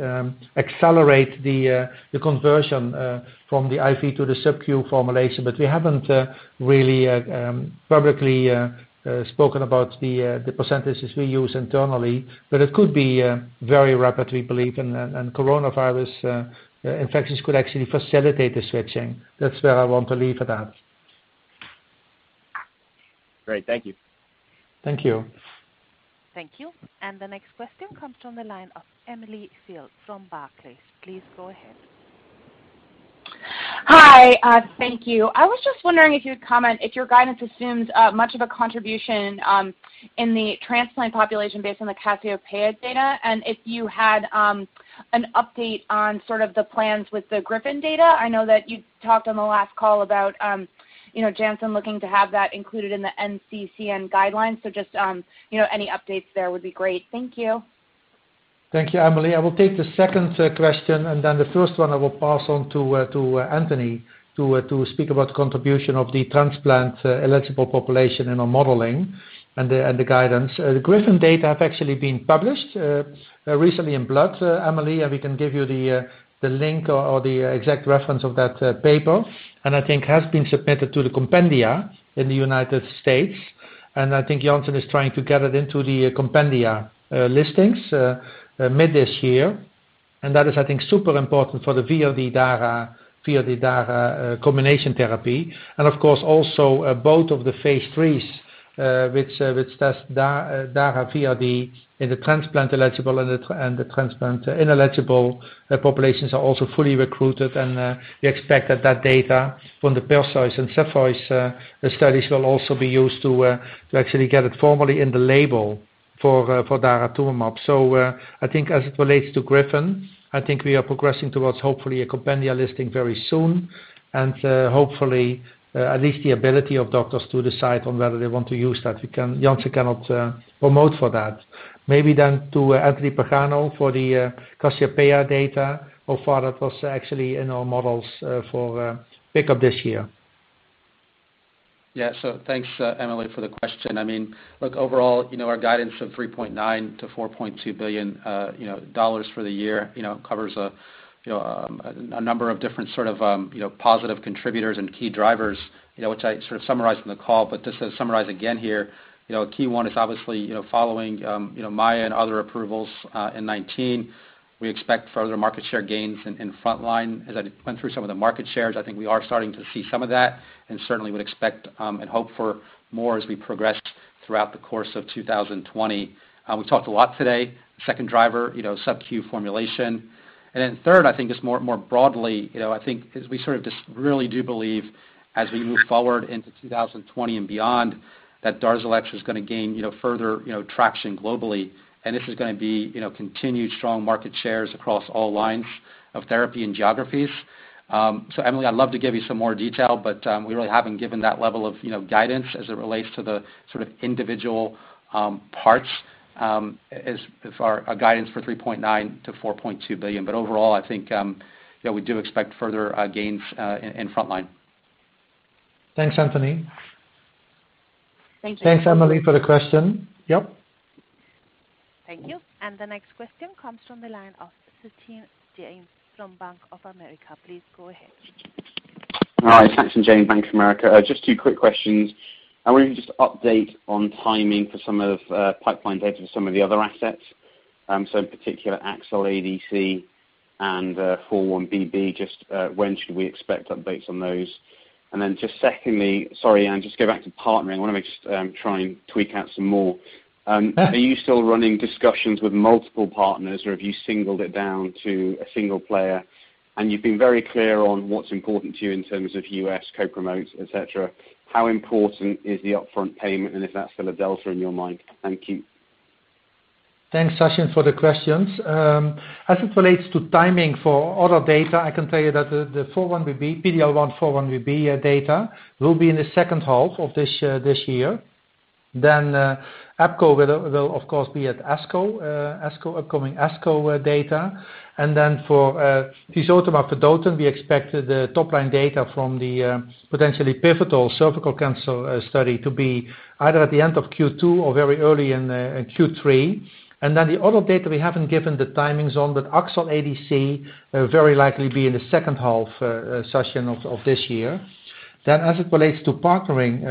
accelerate the conversion from the IV to the subcu formulation. We haven't really publicly spoken about the percentages we use internally, but it could be very rapid, we believe. Coronavirus infections could actually facilitate the switching. That's where I want to leave it at. Great. Thank you. Thank you. Thank you. The next question comes from the line of Emily Field from Barclays. Please go ahead. Hi. Thank you. I was just wondering if you would comment if your guidance assumes much of a contribution in the transplant population based on the CASSIOPEIA data, and if you had an update on sort of the plans with the GRIFFIN data. I know that you talked on the last call about Janssen looking to have that included in the NCCN guidelines. Just any updates there would be great. Thank you. Thank you, Emily. I will take the second question, then the first one I will pass on to Anthony to speak about contribution of the transplant-eligible population in our modeling and the guidance. The GRIFFIN data have actually been published recently in Blood, Emily, we can give you the link or the exact reference of that paper. I think has been submitted to the compendia in the United States. I think Janssen is trying to get it into the compendia listings mid this year. That is, I think, super important for the Dara-VRd combination therapy. Of course, also both of the phase III, which test Dara-VRd in the transplant-eligible and the transplant-ineligible populations are also fully recruited, and we expect that that data from the PERSEUS and CEPHEUS studies will also be used to actually get it formally in the label for daratumumab. I think as it relates to GRIFFIN, I think we are progressing towards hopefully a compendia listing very soon, and hopefully at least the ability of doctors to decide on whether they want to use that. Janssen cannot promote for that. Maybe to Anthony Pagano for the CASSIOPEIA data, how far that was actually in our models for pickup this year. Yeah. Thanks, Emily, for the question. Look, overall, our guidance of 3.9 billion-4.2 billion for the year covers a number of different sort of positive contributors and key drivers, which I sort of summarized on the call. Just to summarize again here, key one is obviously following MAIA and other approvals in 2019. We expect further market share gains in frontline. As I went through some of the market shares, I think we are starting to see some of that and certainly would expect and hope for more as we progress throughout the course of 2020. We talked a lot today, second driver, subcu formulation. Third, I think is more broadly, I think as we sort of just really do believe as we move forward into 2020 and beyond, that DARZALEX is going to gain further traction globally. This is going to be continued strong market shares across all lines of therapy and geographies. Emily, I'd love to give you some more detail, but we really haven't given that level of guidance as it relates to the sort of individual parts as our guidance for $3.9 billion-$4.2 billion. Overall, I think, we do expect further gains in frontline. Thanks, Anthony. Thank you. Thanks, Emily, for the question. Yep. Thank you. The next question comes from the line of Sachin Jain from Bank of America. Please go ahead. Hi, Sachin Jain, Bank of America. Just two quick questions. I wonder if you could just update on timing for some of pipeline data for some of the other assets. In particular, AXL ADC and 4-1BB, just when should we expect updates on those? Just secondly, sorry, Jan, just go back to partnering. I want to just try and tweak out some more. Yeah. Are you still running discussions with multiple partners, or have you singled it down to a single player? You've been very clear on what's important to you in terms of U.S. co-promotes, et cetera. How important is the upfront payment, and is that still a delta in your mind? Thank you. Thanks, Sachin, for the questions. As it relates to timing for other data, I can tell you that the PD-L1x4-1BB data will be in the second half of this year. Epcor will, of course, be at upcoming ASCO data. For tisotumab vedotin, we expect the top-line data from the potentially pivotal cervical cancer study to be either at the end of Q2 or very early in Q3. The other data we haven't given the timings on, but AXL-ADC will very likely be in the second half session of this year. As it relates to partnering,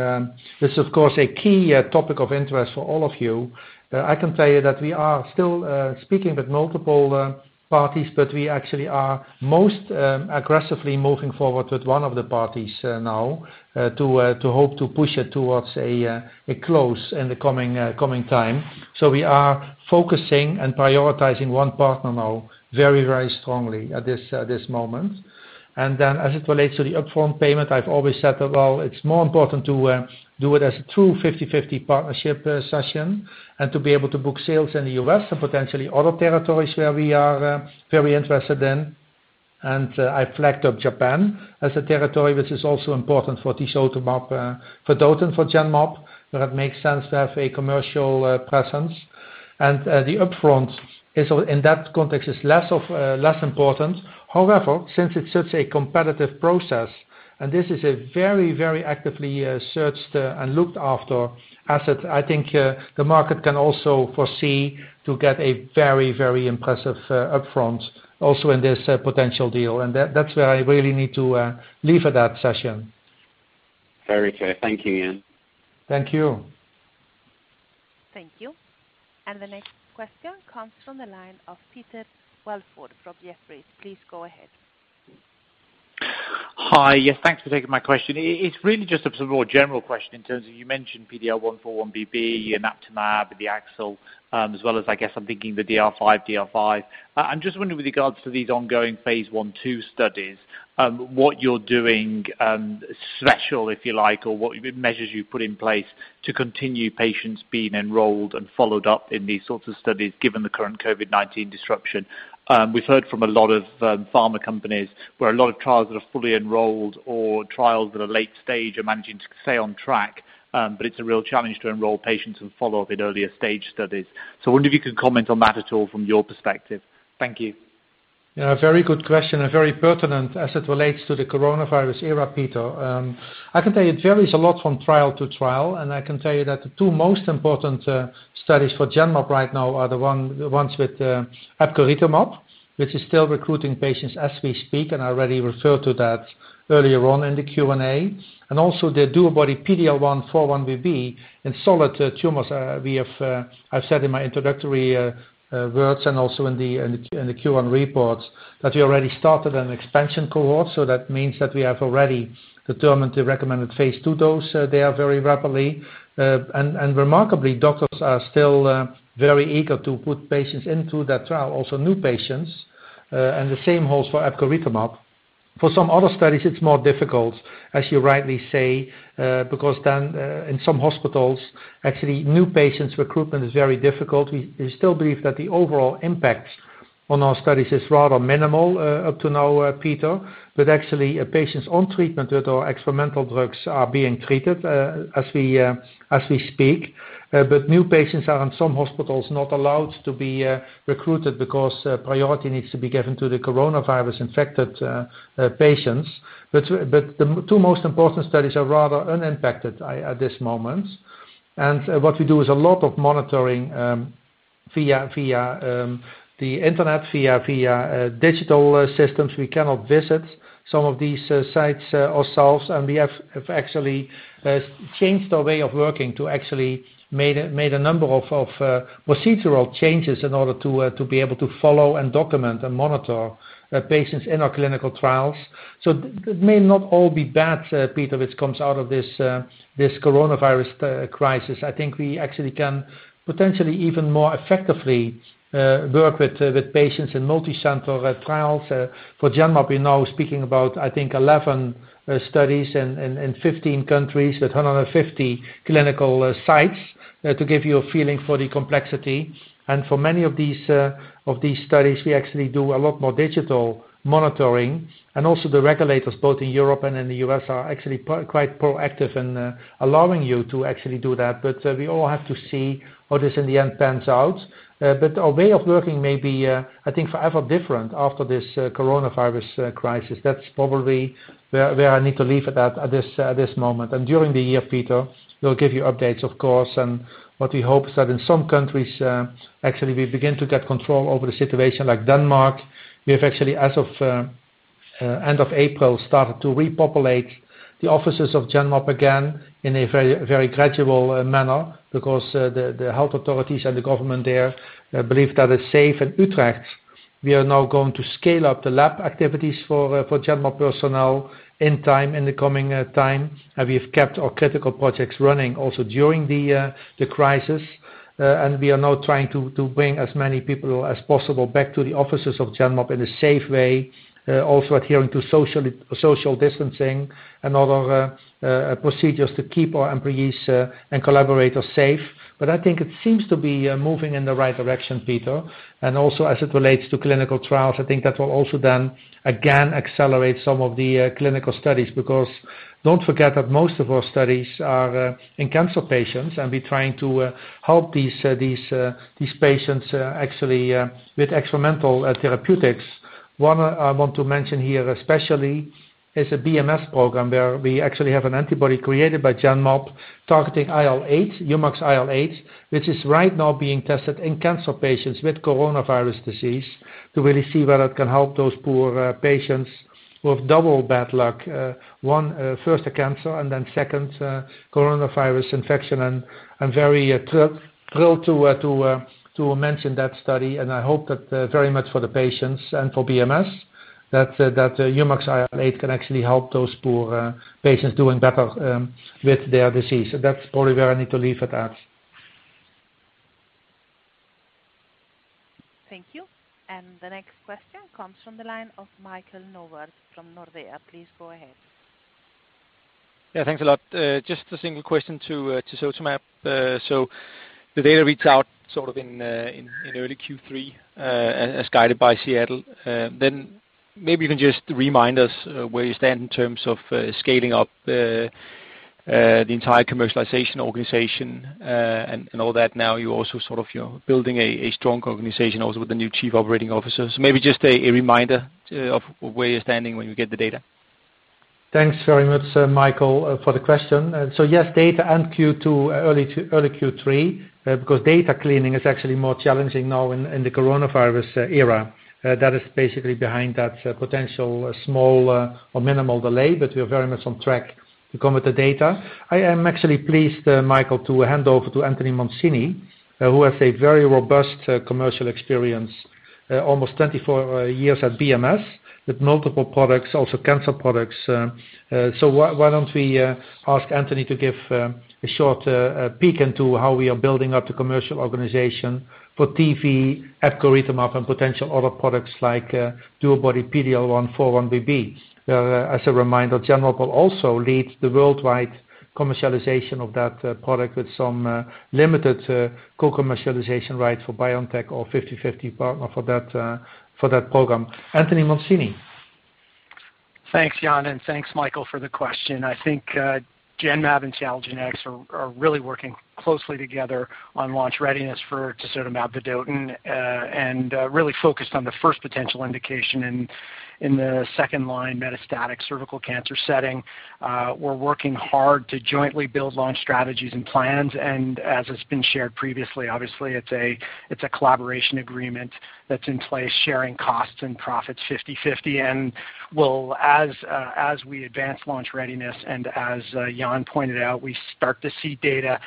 this is, of course, a key topic of interest for all of you. I can tell you that we are still speaking with multiple parties, we actually are most aggressively moving forward with one of the parties now to hope to push it towards a close in the coming time. We are focusing and prioritizing one partner now very strongly at this moment. As it relates to the upfront payment, I've always said that, well, it's more important to do it as a true 50/50 partnership session and to be able to book sales in the U.S. and potentially other territories where we are very interested in. I flagged up Japan as a territory, which is also important for tisotumab vedotin for Genmab, where it makes sense to have a commercial presence. The upfront in that context is less important. However, since it's such a competitive process, and this is a very actively searched and looked after asset, I think the market can also foresee to get a very impressive upfront also in this potential deal. That's where I really need to leave at that Sachin. Very clear. Thank you, Jan. Thank you. Thank you. The next question comes from the line of Peter Welford from Jefferies. Please go ahead. Hi. Yes, thanks for taking my question. It's really just a more general question in terms of, you mentioned PD-L1 4-1BB and Aptamer and the AXL, as well as, I guess, I'm thinking the DR5. I'm just wondering with regards to these ongoing phase I, II studies, what you're doing special, if you like, or what measures you've put in place to continue patients being enrolled and followed up in these sorts of studies, given the current COVID-19 disruption. We've heard from a lot of pharma companies where a lot of trials that are fully enrolled or trials that are late stage are managing to stay on track, but it's a real challenge to enroll patients and follow up in earlier stage studies. I wonder if you can comment on that at all from your perspective. Thank you. A very good question and very pertinent as it relates to the COVID-19 era, Peter. I can tell you it varies a lot from trial to trial. I can tell you that the two most important studies for Genmab right now are the ones with epcoritamab, which is still recruiting patients as we speak. I already referred to that earlier on in the Q&A. Also the DuoBody-PD-L1x4-1BB in solid tumors. I've said in my introductory words and also in the Q1 reports that we already started an expansion cohort. That means that we have already determined the recommended phase II dose. They are very rapidly. Remarkably, doctors are still very eager to put patients into that trial, also new patients, and the same holds for epcoritamab. For some other studies, it's more difficult, as you rightly say, because then in some hospitals, actually new patients recruitment is very difficult. We still believe that the overall impact on our studies is rather minimal up to now, Peter. Actually, patients on treatment with our experimental drugs are being treated as we speak. New patients are in some hospitals not allowed to be recruited because priority needs to be given to the coronavirus-infected patients. The two most important studies are rather unimpacted at this moment. What we do is a lot of monitoring via the internet, via digital systems. We cannot visit some of these sites ourselves. We have actually changed our way of working to actually made a number of procedural changes in order to be able to follow and document and monitor patients in our clinical trials. It may not all be bad, Peter, which comes out of this coronavirus crisis. I think we actually can potentially even more effectively work with patients in multicenter trials. For Genmab, we're now speaking about, I think, 11 studies in 15 countries at 150 clinical sites, to give you a feeling for the complexity. For many of these studies, we actually do a lot more digital monitoring. Also the regulators, both in Europe and in the U.S., are actually quite proactive in allowing you to actually do that. We all have to see how this in the end pans out. Our way of working may be, I think, forever different after this coronavirus crisis. That's probably where I need to leave it at at this moment. During the year, Peter, we'll give you updates, of course. What we hope is that in some countries, actually, we begin to get control over the situation, like Denmark. We have actually, as of end of April, started to repopulate the offices of Genmab again in a very gradual manner because the health authorities and the government there believe that it's safe. In Utrecht, we are now going to scale up the lab activities for Genmab personnel in time, in the coming time. We have kept our critical projects running also during the crisis. We are now trying to bring as many people as possible back to the offices of Genmab in a safe way, also adhering to social distancing and other procedures to keep our employees and collaborators safe. I think it seems to be moving in the right direction, Peter. Also as it relates to clinical trials, I think that will also then again accelerate some of the clinical studies, because don't forget that most of our studies are in cancer patients, and we're trying to help these patients actually with experimental therapeutics. One I want to mention here especially is a BMS program where we actually have an antibody created by Genmab targeting IL-8, HuMax-IL8, which is right now being tested in cancer patients with coronavirus disease to really see whether it can help those poor patients who have double bad luck. One, first the cancer, and then second, coronavirus infection. I'm very thrilled to mention that study, and I hope that very much for the patients and for BMS that HuMax-IL8 can actually help those poor patients doing better with their disease. That's probably where I need to leave it at. Thank you. The next question comes from the line of Michael Novod from Nordea. Please go ahead. Yeah, thanks a lot. Just a single question to Mancini. The data reads out sort of in early Q3 as guided by Seattle. Maybe you can just remind us where you stand in terms of scaling up the entire commercialization organization and all that now you're also building a strong organization also with the new chief operating officers. Maybe just a reminder of where you're standing when you get the data. Thanks very much, Michael, for the question. Yes, data end Q2, early Q3 because data cleaning is actually more challenging now in the coronavirus era. That is basically behind that potential small or minimal delay, but we are very much on track to come with the data. I am actually pleased, Michael, to hand over to Anthony Mancini, who has a very robust commercial experience. Almost 24 years at BMS with multiple products, also cancer products. Why don't we ask Anthony to give a short peek into how we are building up the commercial organization for TIVDAK, epcoritamab, and potential other products like DuoBody-PD-L1x4-1BB. As a reminder, Genmab will also lead the worldwide commercialization of that product with some limited co-commercialization rights for BioNTech or 50/50 partner for that program. Anthony Mancini. Thanks, Jan, thanks, Michael, for the question. I think Genmab and Seattle Genetics are really working closely together on launch readiness for tisotumab vedotin and really focused on the first potential indication in the second line metastatic cervical cancer setting. We're working hard to jointly build launch strategies and plans, and as has been shared previously, obviously, it's a collaboration agreement that's in place, sharing costs and profits 50/50. As we advance launch readiness and as Jan pointed out, we start to see data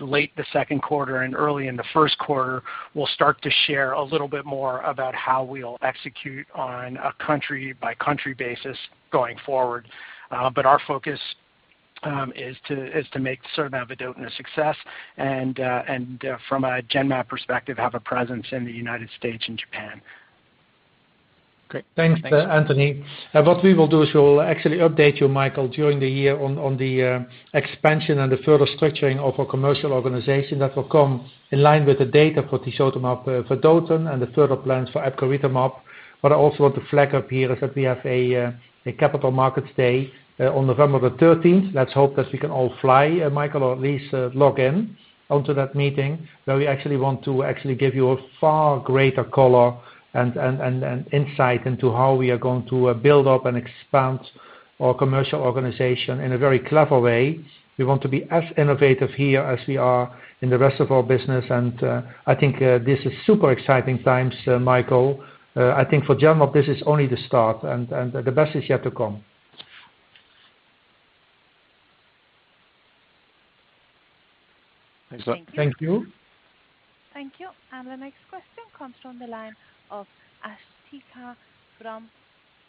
late the second quarter and early in the first quarter, we'll start to share a little bit more about how we'll execute on a country-by-country basis going forward. Our focus is to make tisotumab vedotin a success and from a Genmab perspective, have a presence in the U.S. and Japan. Great. Thanks, Anthony. What we will do is we'll actually update you, Michael, during the year on the expansion and the further structuring of our commercial organization that will come in line with the data for tisotumab vedotin and the further plans for epcoritamab. What I also want to flag up here is that we have a capital markets day on November the 13th. Let's hope that we can all fly, Michael, or at least log in onto that meeting, where we actually want to give you a far greater color and insight into how we are going to build up and expand our commercial organization in a very clever way. We want to be as innovative here as we are in the rest of our business, and I think this is super exciting times, Michael. I think for Genmab, this is only the start and the best is yet to come. Thanks. Thank you. Thank you. The next question comes from the line of Asthika from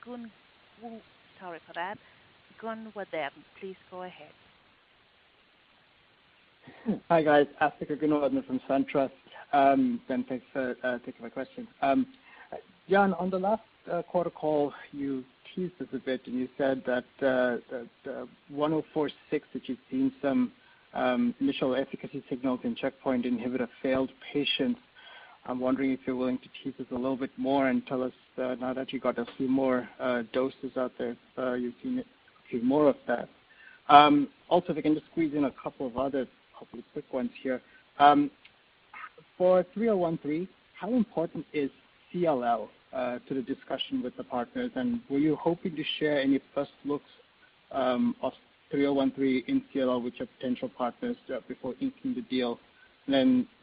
Goonewardene. Sorry for that. Please go ahead. Hi, guys. Asthika Goonewardene from SunTrust. Jan, thanks for taking my question. Jan, on the last quarter call, you teased us a bit, you said that 1046, that you've seen some initial efficacy signals in checkpoint inhibitor failed patients. I'm wondering if you're willing to tease us a little bit more and tell us now that you got a few more doses out there, you've seen a few more of that. If I can just squeeze in a couple of other quick ones here. For 3013, how important is CLL to the discussion with the partners, were you hoping to share any first looks of 3013 in CLL with your potential partners before inking the deal?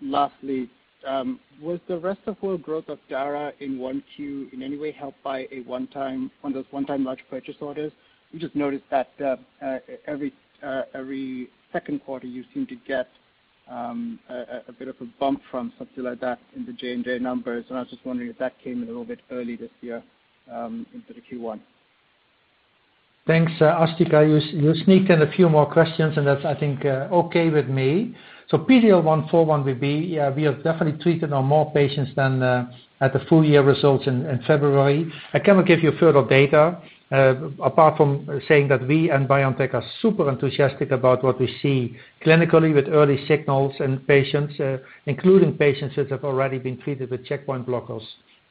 Lastly, was the rest of world growth of Dara in one Q in any way helped by one of those one-time large purchase orders? We just noticed that every second quarter, you seem to get a bit of a bump from something like that in the J&J numbers, and I was just wondering if that came in a little bit early this year into the Q1. Thanks, Asthika. You sneaked in a few more questions, that's, I think, okay with me. PD-L1/4-1BB, we have definitely treated on more patients than at the full-year results in February. I cannot give you further data apart from saying that we and BioNTech are super enthusiastic about what we see clinically with early signals in patients, including patients that have already been treated with checkpoint blockers.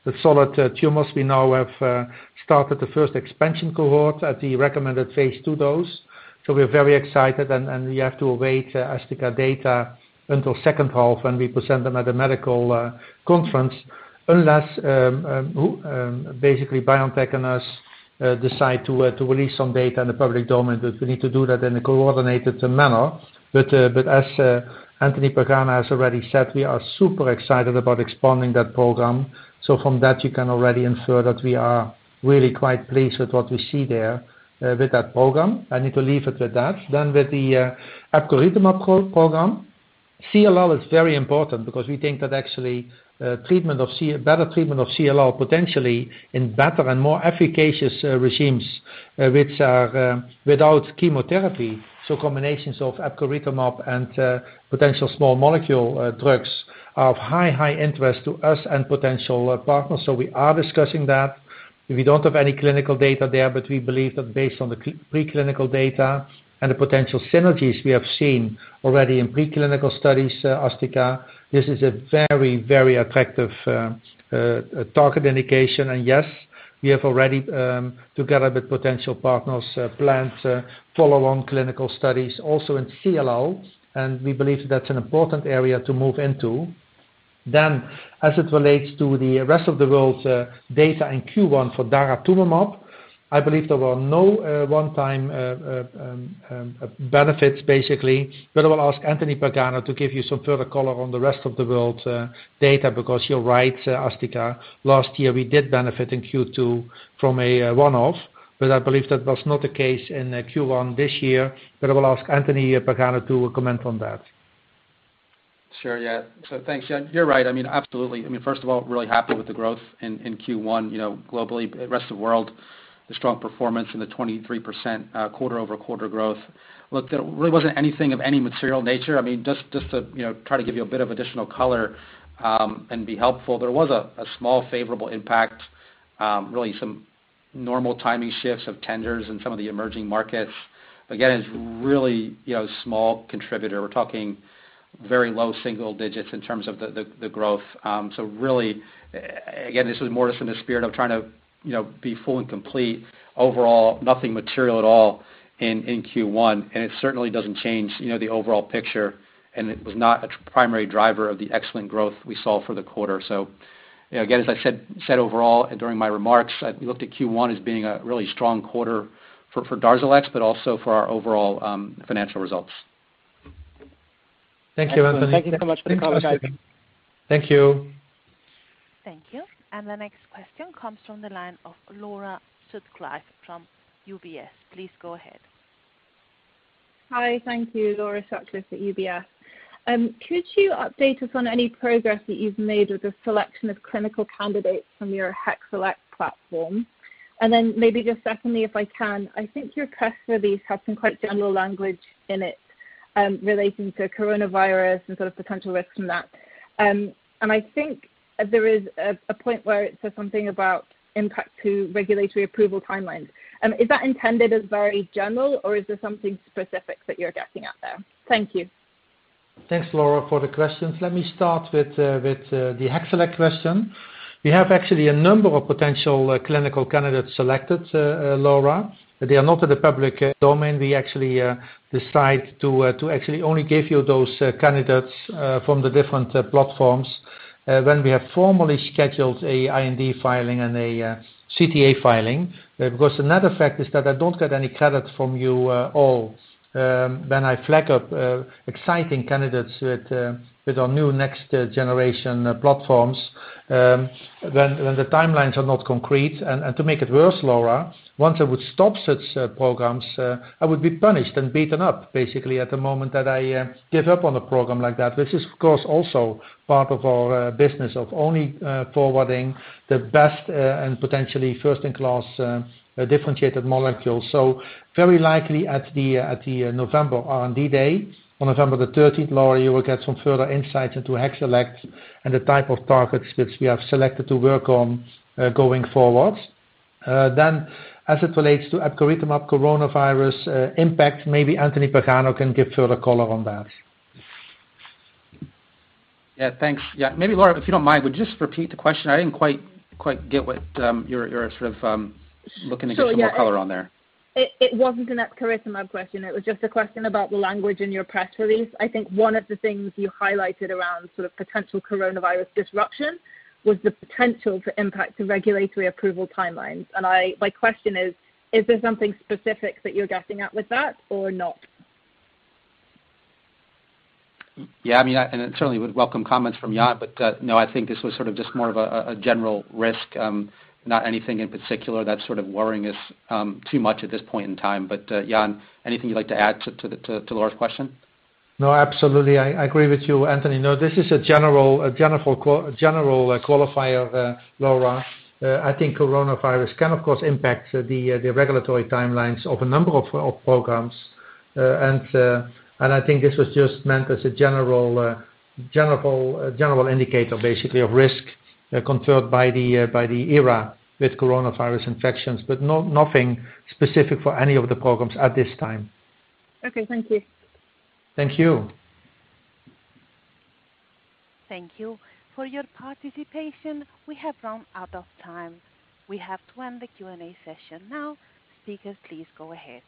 With solid tumors, we now have started the first expansion cohort at the recommended phase II dose. We're very excited, and we have to await Asthika data until second half when we present them at the medical conference. Unless, basically BioNTech and us decide to release some data in the public domain, we need to do that in a coordinated manner. As Anthony Pagano has already said, we are super excited about expanding that program. From that, you can already infer that we are really quite pleased with what we see there with that program. I need to leave it with that. With the epcoritamab program, CLL is very important because we think that actually, better treatment of CLL potentially in better and more efficacious regimens which are without chemotherapy. Combinations of epcoritamab and potential small molecule drugs are of high interest to us and potential partners, so we are discussing that. We don't have any clinical data there, but we believe that based on the preclinical data and the potential synergies we have seen already in preclinical studies, Asthika, this is a very attractive target indication. Yes, we have already, together with potential partners, planned follow-on clinical studies also in CLL, and we believe that's an important area to move into. As it relates to the rest of the world's data in Q1 for daratumumab, I believe there were no one-time benefits, basically. I will ask Anthony Pagano to give you some further color on the rest of the world's data, because you're right, Asthika. Last year, we did benefit in Q2 from a one-off, but I believe that was not the case in Q1 this year. I will ask Anthony Pagano to comment on that. Sure. Yeah. Thanks, Jan. You're right. Absolutely. First of all, really happy with the growth in Q1 globally. Rest of world, a strong performance in the 23% quarter-over-quarter growth. Look, there really wasn't anything of any material nature. Just to try to give you a bit of additional color and be helpful, there was a small favorable impact, really some normal timing shifts of tenders in some of the emerging markets. Again, it's really a small contributor. We're talking very low single digits in terms of the growth. Really, again, this was more so in the spirit of trying to be full and complete. Overall, nothing material at all in Q1. It certainly doesn't change the overall picture, and it was not a primary driver of the excellent growth we saw for the quarter. Again, as I said overall during my remarks, we looked at Q1 as being a really strong quarter for DARZALEX, but also for our overall financial results. Thank you, Anthony. Thank you so much for the color, guys. Thank you. Thank you. The next question comes from the line of Laura Sutcliffe from UBS. Please go ahead. Hi. Thank you. Laura Sutcliffe at UBS. Could you update us on any progress that you've made with the selection of clinical candidates from your HexElect platform? Maybe just secondly, if I can, I think your press release has some quite general language in it relating to coronavirus and sort of potential risks from that. I think there is a point where it says something about impact to regulatory approval timelines. Is that intended as very general, or is there something specific that you're getting at there? Thank you. Thanks, Laura, for the questions. Let me start with the HexElect question. We have actually a number of potential clinical candidates selected, Laura. They are not in the public domain. We actually decide to only give you those candidates from the different platforms when we have formally scheduled an IND filing and a CTA filing. Another fact is that I don't get any credit from you all when I flag up exciting candidates with our new next-generation platforms, when the timelines are not concrete. To make it worse, Laura, once I would stop such programs, I would be punished and beaten up, basically, at the moment that I give up on a program like that, which is, of course, also part of our business of only forwarding the best and potentially first-in-class differentiated molecules. Very likely at the November R&D day, on November the 13th, Laura, you will get some further insights into HexElect and the type of targets which we have selected to work on going forward. As it relates to epcoritamab coronavirus impact, maybe Anthony Pagano can give further color on that. Yeah. Thanks. Yeah. Maybe Laura, if you don't mind, would just repeat the question? I didn't quite get what you're sort of looking to give some more color on there. Sure, yeah. It wasn't an epcoritamab question. It was just a question about the language in your press release. I think one of the things you highlighted around sort of potential coronavirus disruption was the potential for impact to regulatory approval timelines. My question is there something specific that you're getting at with that or not? Yeah. Certainly would welcome comments from Jan, but no, I think this was sort of just more of a general risk, not anything in particular that's sort of worrying us too much at this point in time. Jan, anything you'd like to add to Laura's question? No, absolutely. I agree with you, Anthony. No, this is a general qualifier, Laura. I think coronavirus can, of course, impact the regulatory timelines of a number of programs. I think this was just meant as a general indicator, basically, of risk conferred by the era with coronavirus infections, but nothing specific for any of the programs at this time. Okay. Thank you. Thank you. Thank you for your participation. We have run out of time. We have to end the Q&A session now. Speakers, please go ahead.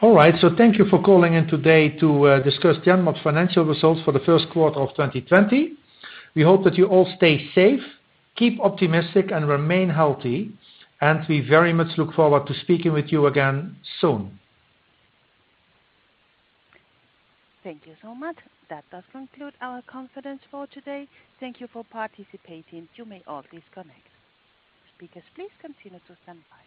All right. Thank you for calling in today to discuss Genmab's financial results for the first quarter of 2020. We hope that you all stay safe, keep optimistic, and remain healthy. We very much look forward to speaking with you again soon. Thank you so much. That does conclude our conference call today. Thank you for participating. You may all please disconnect. Speakers, please continue to stand by.